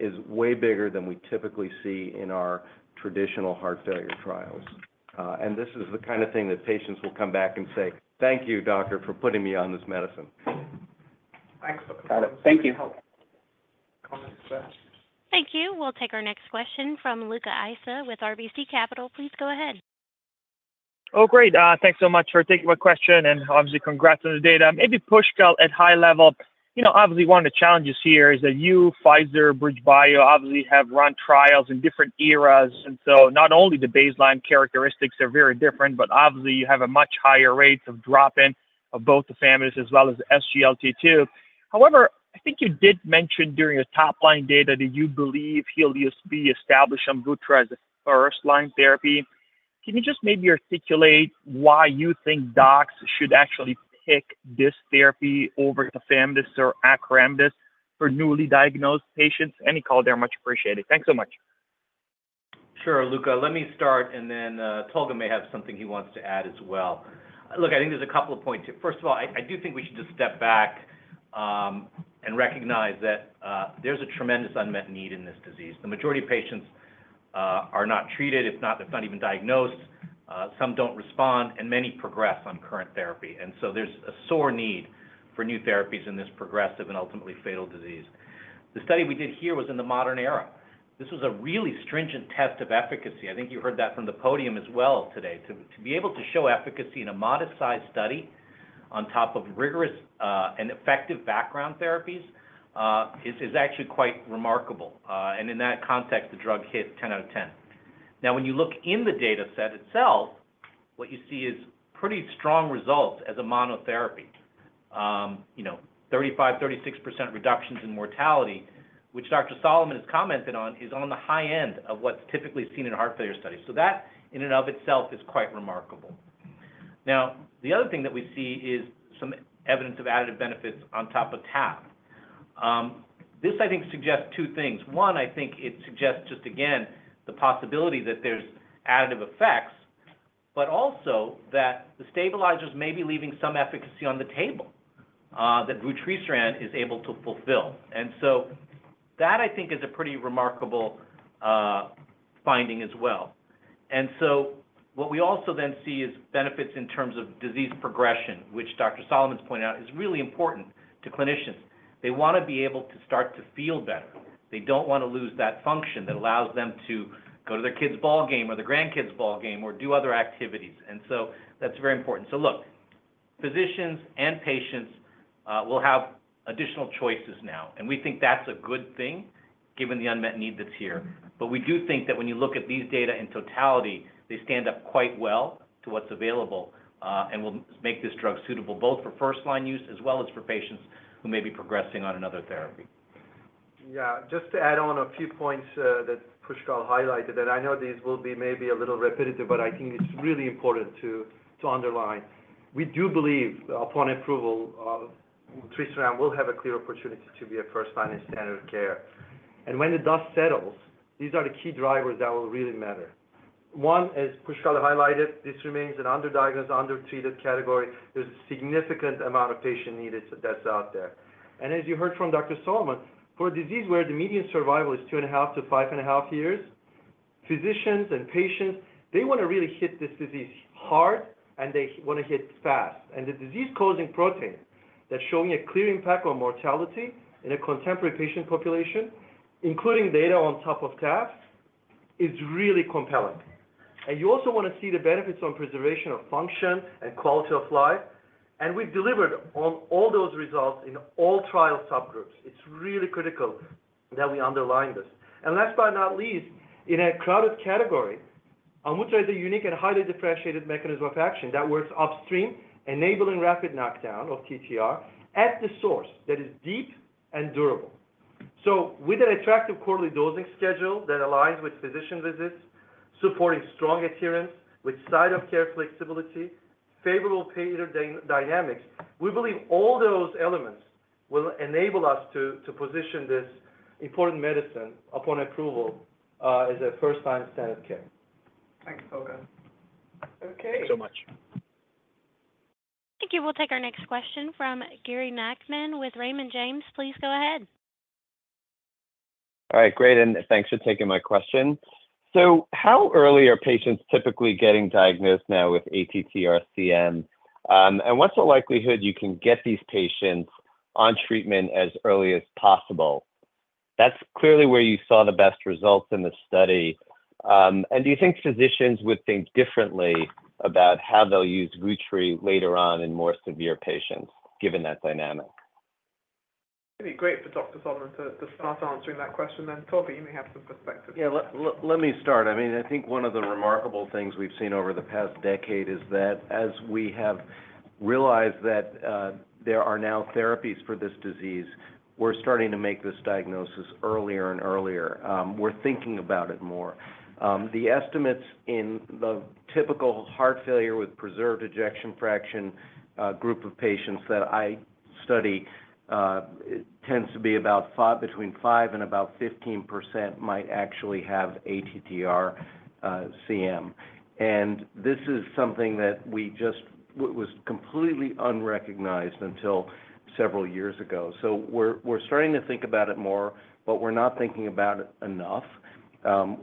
is way bigger than we typically see in our traditional heart failure trials, and this is the kind of thing that patients will come back and say, "Thank you, doctor, for putting me on this medicine. Excellent. Got it. Thank you. Comments, guys. Thank you. We'll take our next question from Luca Issi with RBC Capital. Please go ahead. Oh, great, thanks so much for taking my question, and obviously, congrats on the data. Maybe Pushkal, at high level, you know, obviously, one of the challenges here is that you, Pfizer, BridgeBio, obviously have run trials in different eras, and so not only the baseline characteristics are very different, but obviously, you have a much higher rates of drop-in of both tafamidis as well as the SGLT2. However, I think you did mention during your top-line data that you believe HELIOS-B will be established on vutrisiran as a first-line therapy. Can you just maybe articulate why you think docs should actually pick this therapy over tafamidis or acoramidis for newly diagnosed patients? Any call there much appreciated. Thanks so much. Sure, Luca. Let me start, and then Tolga may have something he wants to add as well. Look, I think there's a couple of points here. First of all, I do think we should just step back and recognize that there's a tremendous unmet need in this disease. The majority of patients are not treated. If not, they're not even diagnosed, some don't respond, and many progress on current therapy. And so there's a sore need for new therapies in this progressive and ultimately fatal disease. The study we did here was in the modern era. This was a really stringent test of efficacy. I think you heard that from the podium as well today. To be able to show efficacy in a modest-sized study on top of rigorous and effective background therapies is actually quite remarkable. And in that context, the drug hit ten out of ten. Now, when you look in the data set itself, what you see is pretty strong results as a monotherapy. You know, 35%-36% reductions in mortality, which Dr. Solomon has commented on, is on the high end of what's typically seen in heart failure studies. So that, in and of itself, is quite remarkable. Now, the other thing that we see is some evidence of additive benefits on top of TAF. This, I think, suggests two things. One, I think it suggests just again, the possibility that there's additive effects, but also that the stabilizers may be leaving some efficacy on the table that vutrisiran is able to fulfill. And so that, I think, is a pretty remarkable finding as well. And so what we also then see is benefits in terms of disease progression, which Dr. Solomon's pointed out, is really important to clinicians. They wanna be able to start to feel better. They don't wanna lose that function that allows them to go to their kid's ball game or their grandkid's ball game, or do other activities. And so that's very important. So look, physicians and patients will have additional choices now, and we think that's a good thing, given the unmet need that's here. But we do think that when you look at these data in totality, they stand up quite well to what's available, and will make this drug suitable both for first-line use as well as for patients who may be progressing on another therapy. Yeah. Just to add on a few points that Pushkal highlighted, and I know these will be maybe a little repetitive, but I think it's really important to underline. We do believe upon approval, vutrisiran will have a clear opportunity to be a first-line in standard care. And when the dust settles, these are the key drivers that will really matter. One, as Pushkal highlighted, this remains an underdiagnosed, undertreated category. There's a significant amount of patient need that's out there. And as you heard from Dr. Solomon, for a disease where the median survival is two and a half to five and a half years, physicians and patients, they wanna really hit this disease hard, and they wanna hit fast. And the disease-causing protein that's showing a clear impact on mortality in a contemporary patient population, including data on top of TAF, is really compelling. And you also wanna see the benefits on preservation of function and quality of life, and we've delivered on all those results in all trial subgroups. It's really critical that we underline this. And last but not least, in a crowded category, Amvuttra, which is a unique and highly differentiated mechanism of action that works upstream, enabling rapid knockdown of TTR at the source that is deep and durable. So with an attractive quarterly dosing schedule that aligns with physician visits, supporting strong adherence with site-of-care flexibility, favorable payer dynamics, we believe all those elements will enable us to position this important medicine upon approval as a first-line standard of care. Thanks, Tolga. Okay. Thank you so much. Thank you. We'll take our next question from Gary Nachman with Raymond James. Please go ahead. All right, great, and thanks for taking my question. So how early are patients typically getting diagnosed now with ATTR-CM? And what's the likelihood you can get these patients on treatment as early as possible? That's clearly where you saw the best results in the study. And do you think physicians would think differently about how they'll use vutrisiran later on in more severe patients, given that dynamic? It'd be great for Dr. Solomon to start answering that question, then Tolga, you may have some perspective. Yeah. Let me start. I mean, I think one of the remarkable things we've seen over the past decade is that as we have realized that there are now therapies for this disease, we're starting to make this diagnosis earlier and earlier. We're thinking about it more. The estimates in the typical heart failure with preserved ejection fraction group of patients that I study tends to be between 5% and about 15% might actually have ATTR CM. And this is something that was completely unrecognized until several years ago. So we're starting to think about it more, but we're not thinking about it enough.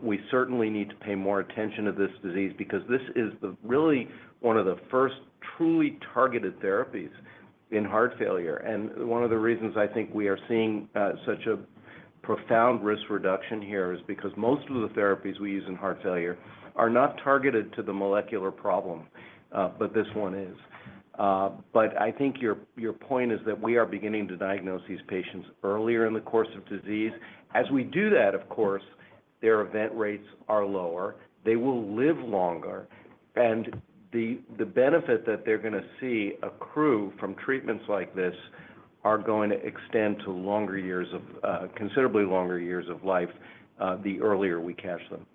We certainly need to pay more attention to this disease because this is really one of the first truly targeted therapies in heart failure. And one of the reasons I think we are seeing such a profound risk reduction here is because most of the therapies we use in heart failure are not targeted to the molecular problem, but this one is. But I think your point is that we are beginning to diagnose these patients earlier in the course of disease. As we do that, of course, their event rates are lower. They will live longer, and the benefit that they're going to see accrue from treatments like this are going to extend to longer years of considerably longer years of life, the earlier we catch them.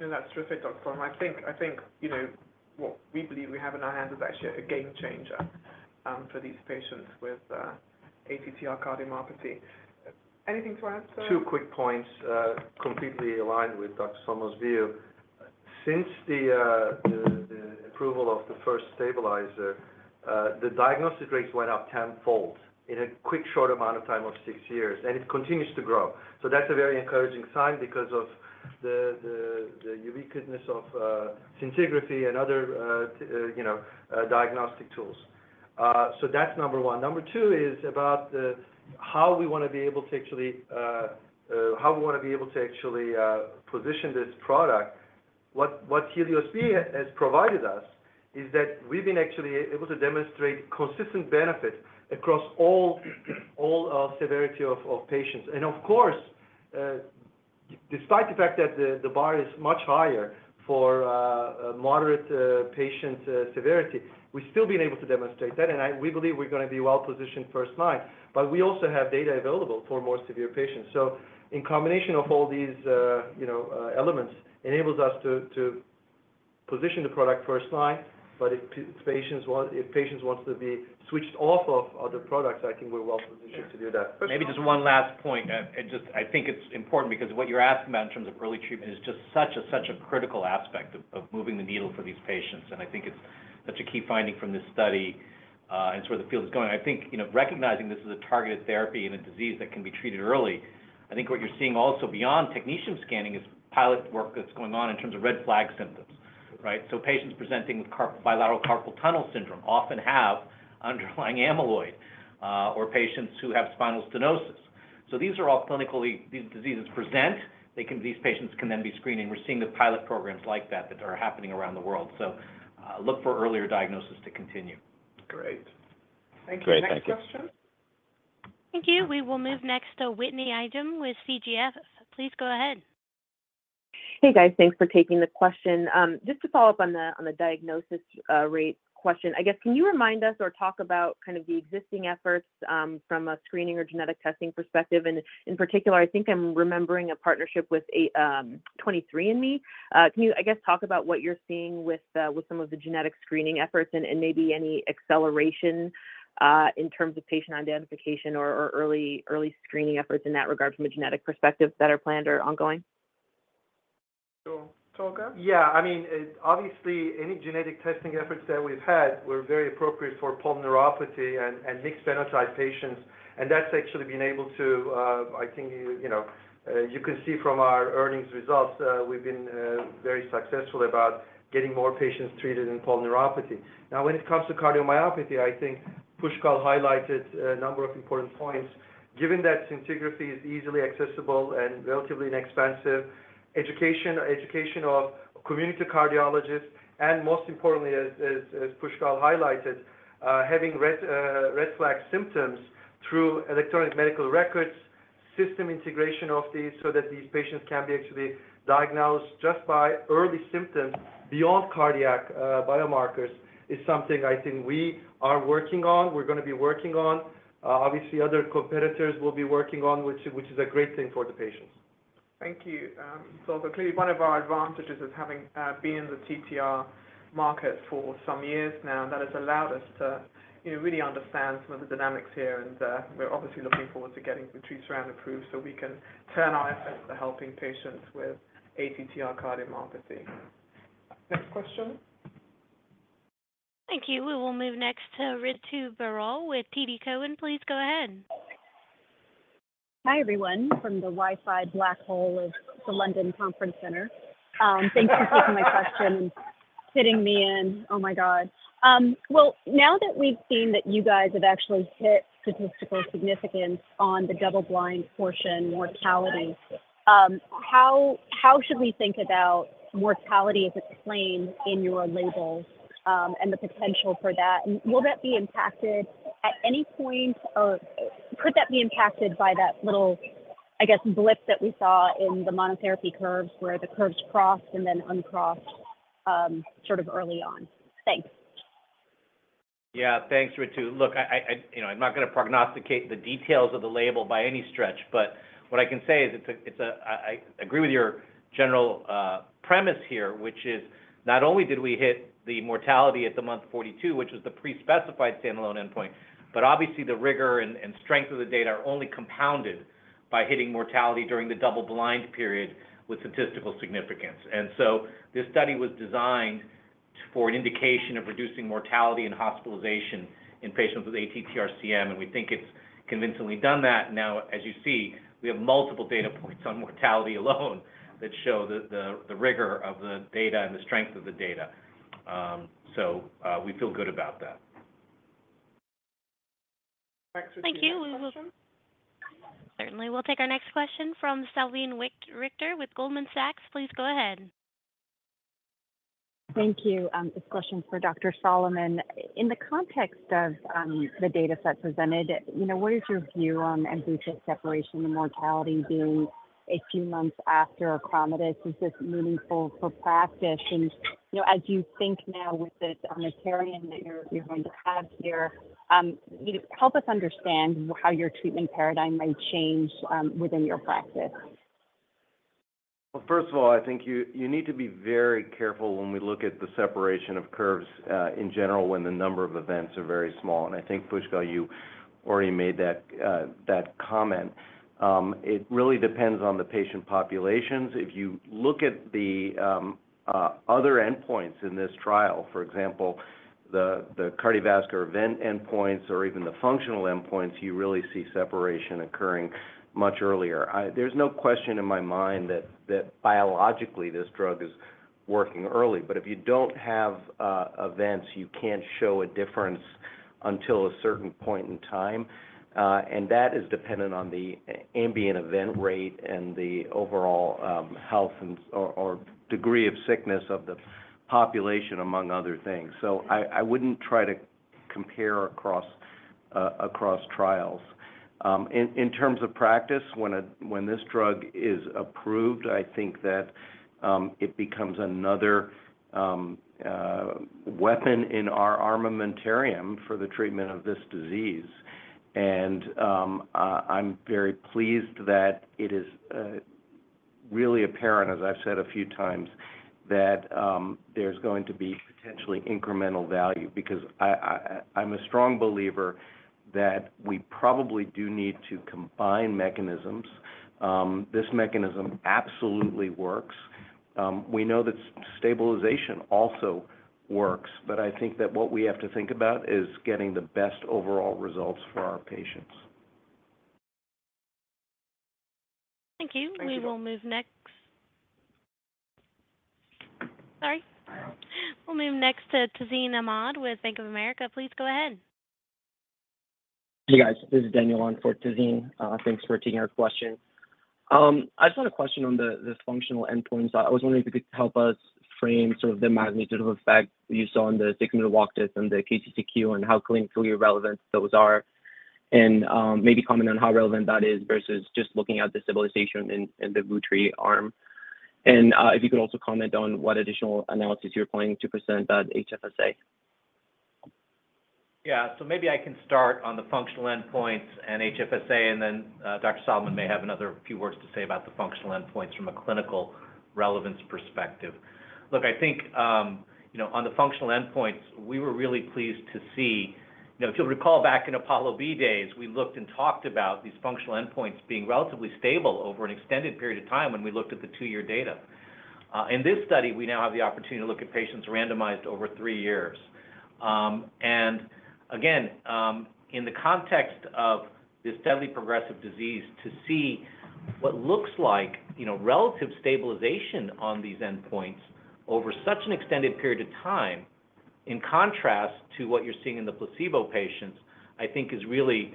And that's terrific, Dr. Solomon. I think, you know, what we believe we have in our hands is actually a game changer for these patients with ATTR cardiomyopathy. Anything to add, Tolga? Two quick points, completely aligned with Dr. Solomon's view. Since the approval of the first stabilizer, the diagnostic rates went up tenfold in a quick, short amount of time of six years, and it continues to grow. So that's a very encouraging sign because of the uniqueness of scintigraphy and other, you know, diagnostic tools. So that's number one. Number two is about the how we want to be able to actually position this product. What HELIOS-B has provided us is that we've been actually able to demonstrate consistent benefit across all severity of patients. Of course, despite the fact that the bar is much higher for moderate patient severity, we've still been able to demonstrate that, and we believe we're going to be well positioned first line, but we also have data available for more severe patients. In combination of all these, you know, elements enables us to position the product first line, but if patients want, if patients wants to be switched off of other products, I think we're well positioned to do that. Maybe just one last point. And just I think it's important because what you're asking about in terms of early treatment is just such a critical aspect of moving the needle for these patients, and I think it's such a key finding from this study, and where the field is going. I think, you know, recognizing this is a targeted therapy and a disease that can be treated early, I think what you're seeing also beyond technetium scanning is pilot work that's going on in terms of red flag symptoms, right? So patients presenting with bilateral carpal tunnel syndrome often have underlying amyloid, or patients who have spinal stenosis. So these are all clinically. These diseases present, they can. These patients can then be screened. We're seeing the pilot programs like that that are happening around the world so look for earlier diagnosis to continue. Great. Thank you. Next question? Thank you. We will move next to Whitney Ijem with CGF. Please go ahead. Hey, guys. Thanks for taking the question. Just to follow up on the diagnosis rate question. I guess, can you remind us or talk about kind of the existing efforts from a screening or genetic testing perspective? And in particular, I think I'm remembering a partnership with 23andMe. Can you, I guess, talk about what you're seeing with some of the genetic screening efforts and maybe any acceleration in terms of patient identification or early screening efforts in that regard from a genetic perspective that are planned or ongoing? So, Tolga? Yeah, I mean, it obviously, any genetic testing efforts that we've had were very appropriate for polyneuropathy and mixed phenotype patients, and that's actually been able to, I think, you know, you can see from our earnings results, we've been very successful about getting more patients treated in polyneuropathy. Now, when it comes to cardiomyopathy, I think Pushkal highlighted a number of important points. Given that scintigraphy is easily accessible and relatively inexpensive, education of community cardiologists, and most importantly, as Pushkal highlighted, having red flag symptoms through electronic medical records, system integration of these so that these patients can be actually diagnosed just by early symptoms beyond cardiac biomarkers, is something I think we are working on, we're going to be working on. Obviously, other competitors will be working on, which is a great thing for the patients. Thank you. So clearly, one of our advantages is having been in the ATTR market for some years now, and that has allowed us to, you know, really understand some of the dynamics here, and we're obviously looking forward to getting the vutrisiran approved so we can turn our efforts to helping patients with ATTR cardiomyopathy. Next question.... Thank you. We will move next to Ritu Baral with TD Cowen. Please go ahead. Hi, everyone, from the Wi-Fi black hole of the London Conference Center. Thanks for taking my question and fitting me in. Oh, my God. Well, now that we've seen that you guys have actually hit statistical significance on the double-blind portion mortality, how should we think about mortality as explained in your label, and the potential for that? And will that be impacted at any point, or could that be impacted by that little, I guess, blip that we saw in the monotherapy curves, where the curves crossed and then uncrossed, sort of early on? Thanks. Yeah, thanks, Ritu. Look, I you know, I'm not going to prognosticate the details of the label by any stretch, but what I can say is it's a, I agree with your general premise here, which is not only did we hit the mortality at the month 42, which is the pre-specified standalone endpoint, but obviously the rigor and strength of the data are only compounded by hitting mortality during the double-blind period with statistical significance. And so this study was designed for an indication of reducing mortality and hospitalization in patients with ATTR-CM, and we think it's convincingly done that. Now, as you see, we have multiple data points on mortality alone that show the rigor of the data and the strength of the data. So we feel good about that. Thank you. Certainly, we'll take our next question from Salveen Richter with Goldman Sachs. Please go ahead. Thank you. This question is for Dr. Solomon. In the context of the data set presented, you know, what is your view on event rate separation and mortality being a few months after acoramidis? Is this meaningful for practice? And, you know, as you think now with this armamentarium that you're going to have here, you know, help us understand how your treatment paradigm may change within your practice. First of all, I think you need to be very careful when we look at the separation of curves in general, when the number of events are very small. And I think, Pushkal, you already made that comment. It really depends on the patient populations. If you look at the other endpoints in this trial, for example, the cardiovascular event endpoints or even the functional endpoints, you really see separation occurring much earlier. There's no question in my mind that biologically, this drug is working early. But if you don't have events, you can't show a difference until a certain point in time. And that is dependent on the ambient event rate and the overall health or degree of sickness of the population, among other things. So I wouldn't try to compare across trials. In terms of practice, when this drug is approved, I think that it becomes another weapon in our armamentarium for the treatment of this disease. And I'm very pleased that it is really apparent, as I've said a few times, that there's going to be potentially incremental value because I'm a strong believer that we probably do need to combine mechanisms. This mechanism absolutely works. We know that stabilization also works, but I think that what we have to think about is getting the best overall results for our patients. Thank you. Thank you. We will move next. Sorry. We'll move next to Tazeen Ahmad with Bank of America. Please go ahead. Hey, guys, this is Daniel on for Tazeen. Thanks for taking our question. I just had a question on these functional endpoints. I was wondering if you could help us frame sort of the magnitude of effect you saw on the six-minute walk test and the KCCQ, and how clinically relevant those are. And maybe comment on how relevant that is versus just looking at the stabilization in the vutrisiran arm. And if you could also comment on what additional analysis you're planning to present about HFSA. Yeah. So maybe I can start on the functional endpoints and HFSA, and then, Dr. Solomon may have another few words to say about the functional endpoints from a clinical relevance perspective. Look, I think, you know, on the functional endpoints, we were really pleased to see... You know, if you'll recall back in APOLLO-B days, we looked and talked about these functional endpoints being relatively stable over an extended period of time when we looked at the two-year data. In this study, we now have the opportunity to look at patients randomized over three years, and again, in the context of this deadly progressive disease, to see what looks like, you know, relative stabilization on these endpoints over such an extended period of time, in contrast to what you're seeing in the placebo patients, I think is really,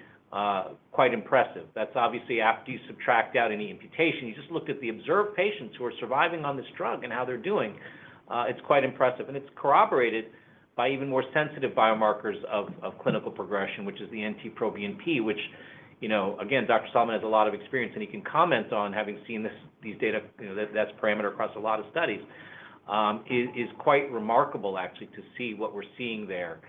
quite impressive. That's obviously after you subtract out any amputation. You just look at the observed patients who are surviving on this drug and how they're doing. It's quite impressive, and it's corroborated by even more sensitive biomarkers of clinical progression, which is the NT-proBNP, which, you know, again, Dr. Solomon has a lot of experience, and he can comment on, having seen these data, you know, that's a parameter across a lot of studies. It is quite remarkable, actually, to see what we're seeing there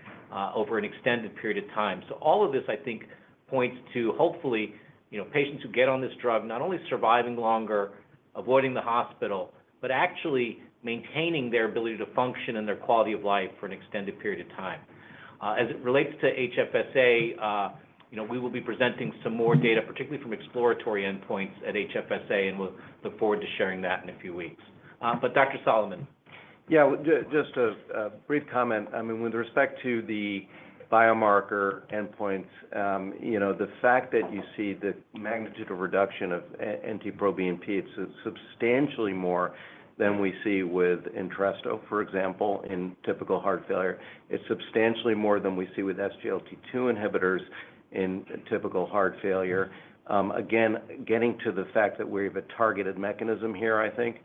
over an extended period of time. So all of this, I think, points to hopefully, you know, patients who get on this drug, not only surviving longer, avoiding the hospital, but actually maintaining their ability to function and their quality of life for an extended period of time.... As it relates to HFSA, you know, we will be presenting some more data, particularly from exploratory endpoints at HFSA, and we'll look forward to sharing that in a few weeks, but Dr. Solomon? Yeah, well, just a brief comment. I mean, with respect to the biomarker endpoints, you know, the fact that you see the magnitude of reduction of NT-proBNP is substantially more than we see with Entresto, for example, in typical heart failure. It's substantially more than we see with SGLT2 inhibitors in typical heart failure. Again, getting to the fact that we have a targeted mechanism here, I think.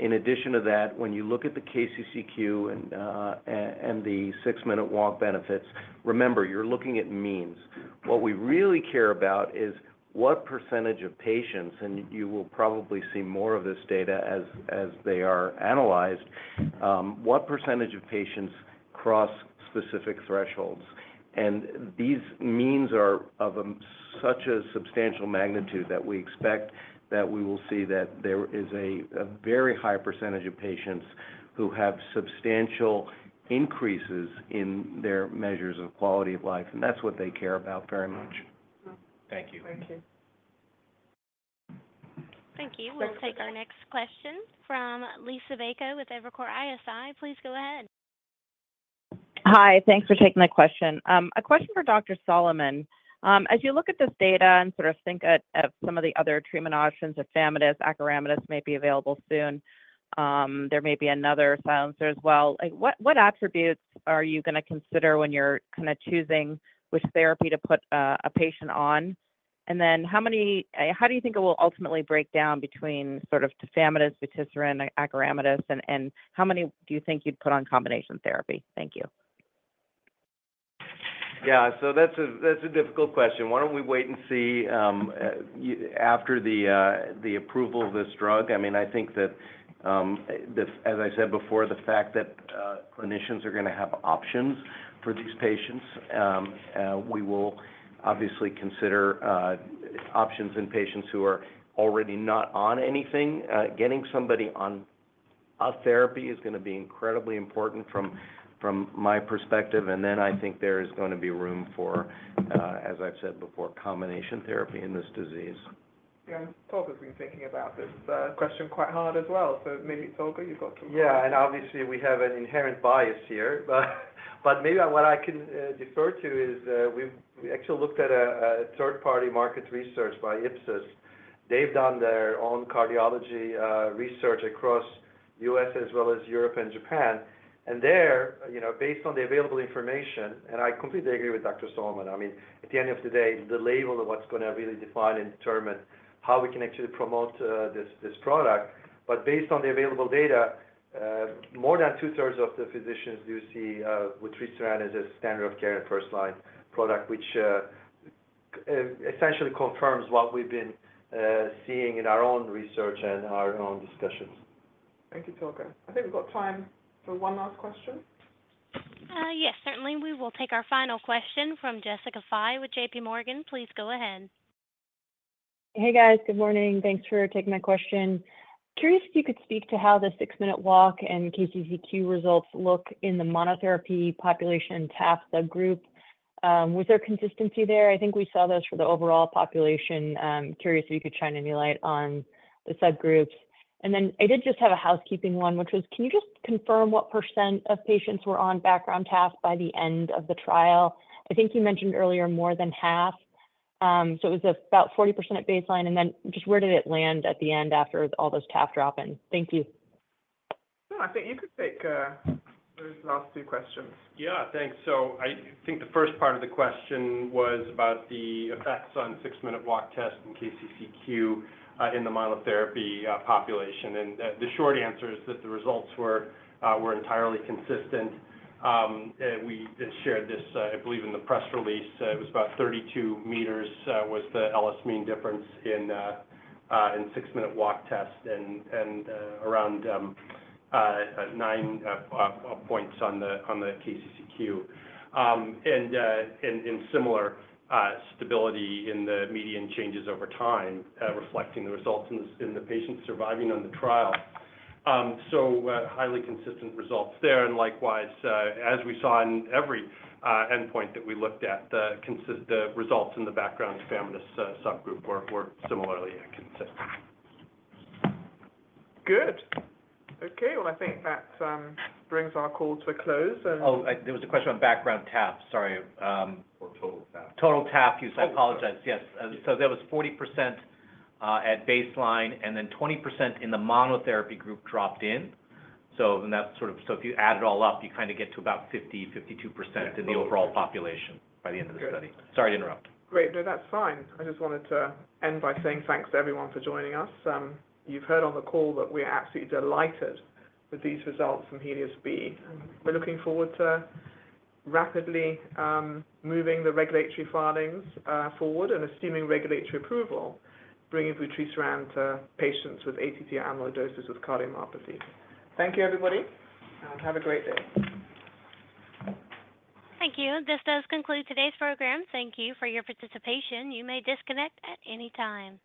In addition to that, when you look at the KCCQ and the six-minute walk benefits, remember, you're looking at means. What we really care about is what percentage of patients - and you will probably see more of this data as they are analyzed - what percentage of patients cross specific thresholds? These means are of such a substantial magnitude that we expect that we will see that there is a very high percentage of patients who have substantial increases in their measures of quality of life, and that's what they care about very much. Thank you. Thank you. Thank you. We'll take our next question from Lisa Bayko with Evercore ISI. Please go ahead. Hi. Thanks for taking my question. A question for Dr. Solomon. As you look at this data and sort of think about some of the other treatment options, tafamidis, acoramidis, maybe available soon, there may be another silencer as well. Like, what attributes are you gonna consider when you're kinda choosing which therapy to put a patient on? And then, how do you think it will ultimately break down between sort of tafamidis, vutrisiran, acoramidis, and how many do you think you'd put on combination therapy? Thank you. Yeah, so that's a difficult question. Why don't we wait and see after the approval of this drug? I mean, I think that this as I said before, the fact that clinicians are gonna have options for these patients, we will obviously consider options in patients who are already not on anything. Getting somebody on a therapy is gonna be incredibly important from my perspective, and then I think there is gonna be room for, as I've said before, combination therapy in this disease. Yeah, Tolga's been thinking about this question quite hard as well, so maybe, Tolga, you've got some- Yeah, and obviously, we have an inherent bias here. But maybe what I can defer to is, we've actually looked at a third-party market research by Ipsos. They've done their own cardiology research across U.S. as well as Europe and Japan. And there, you know, based on the available information, and I completely agree with Dr. Solomon, I mean, at the end of the day, the label of what's gonna really define and determine how we can actually promote this product, but based on the available data, more than two-thirds of the physicians do see vutrisiran as a standard of care and first-line product, which essentially confirms what we've been seeing in our own research and our own discussions. Thank you, Tolga. I think we've got time for one last question. Yes, certainly. We will take our final question from Jessica Fye with J.P. Morgan. Please go ahead. Hey, guys. Good morning. Thanks for taking my question. Curious if you could speak to how the six-minute walk and KCCQ results look in the monotherapy population TAF subgroup. Was there consistency there? I think we saw those for the overall population. Curious if you could shine any light on the subgroups. And then I did just have a housekeeping one, which was, can you just confirm what percent of patients were on background TAF by the end of the trial? I think you mentioned earlier, more than half. So it was about 40% at baseline, and then just where did it land at the end after all those TAF drop-in? Thank you. Oh, I think you could take those last two questions. Yeah, thanks. So I think the first part of the question was about the effects on six-minute walk test and KCCQ in the monotherapy population. And the short answer is that the results were entirely consistent. We shared this, I believe, in the press release. It was about 32 meters, was the LS mean difference in six-minute walk test and around 9 points on the KCCQ. And similar stability in the median changes over time, reflecting the results in the patient surviving on the trial. So highly consistent results there, and likewise, as we saw in every endpoint that we looked at, the results in the background tafamidis subgroup were similarly consistent. Good. Okay, well, I think that brings our call to a close, and- Oh, there was a question on background TAF. Sorry. Or total TAF. Total TAF. Total. Yes, I apologize. Yes. So there was 40% at baseline, and then 20% in the monotherapy group dropped in. So and that's sort of... So if you add it all up, you kinda get to about 50, 52%. Yeah. in the overall population by the end of the study. Good. Sorry to interrupt. Great. No, that's fine. I just wanted to end by saying thanks to everyone for joining us. You've heard on the call that we're absolutely delighted with these results from HELIOS-B. We're looking forward to rapidly moving the regulatory filings forward and assuming regulatory approval, bringing vutrisiran to patients with ATTR amyloidosis with cardiomyopathy. Thank you, everybody, and have a great day. Thank you. This does conclude today's program. Thank you for your participation. You may disconnect at any time.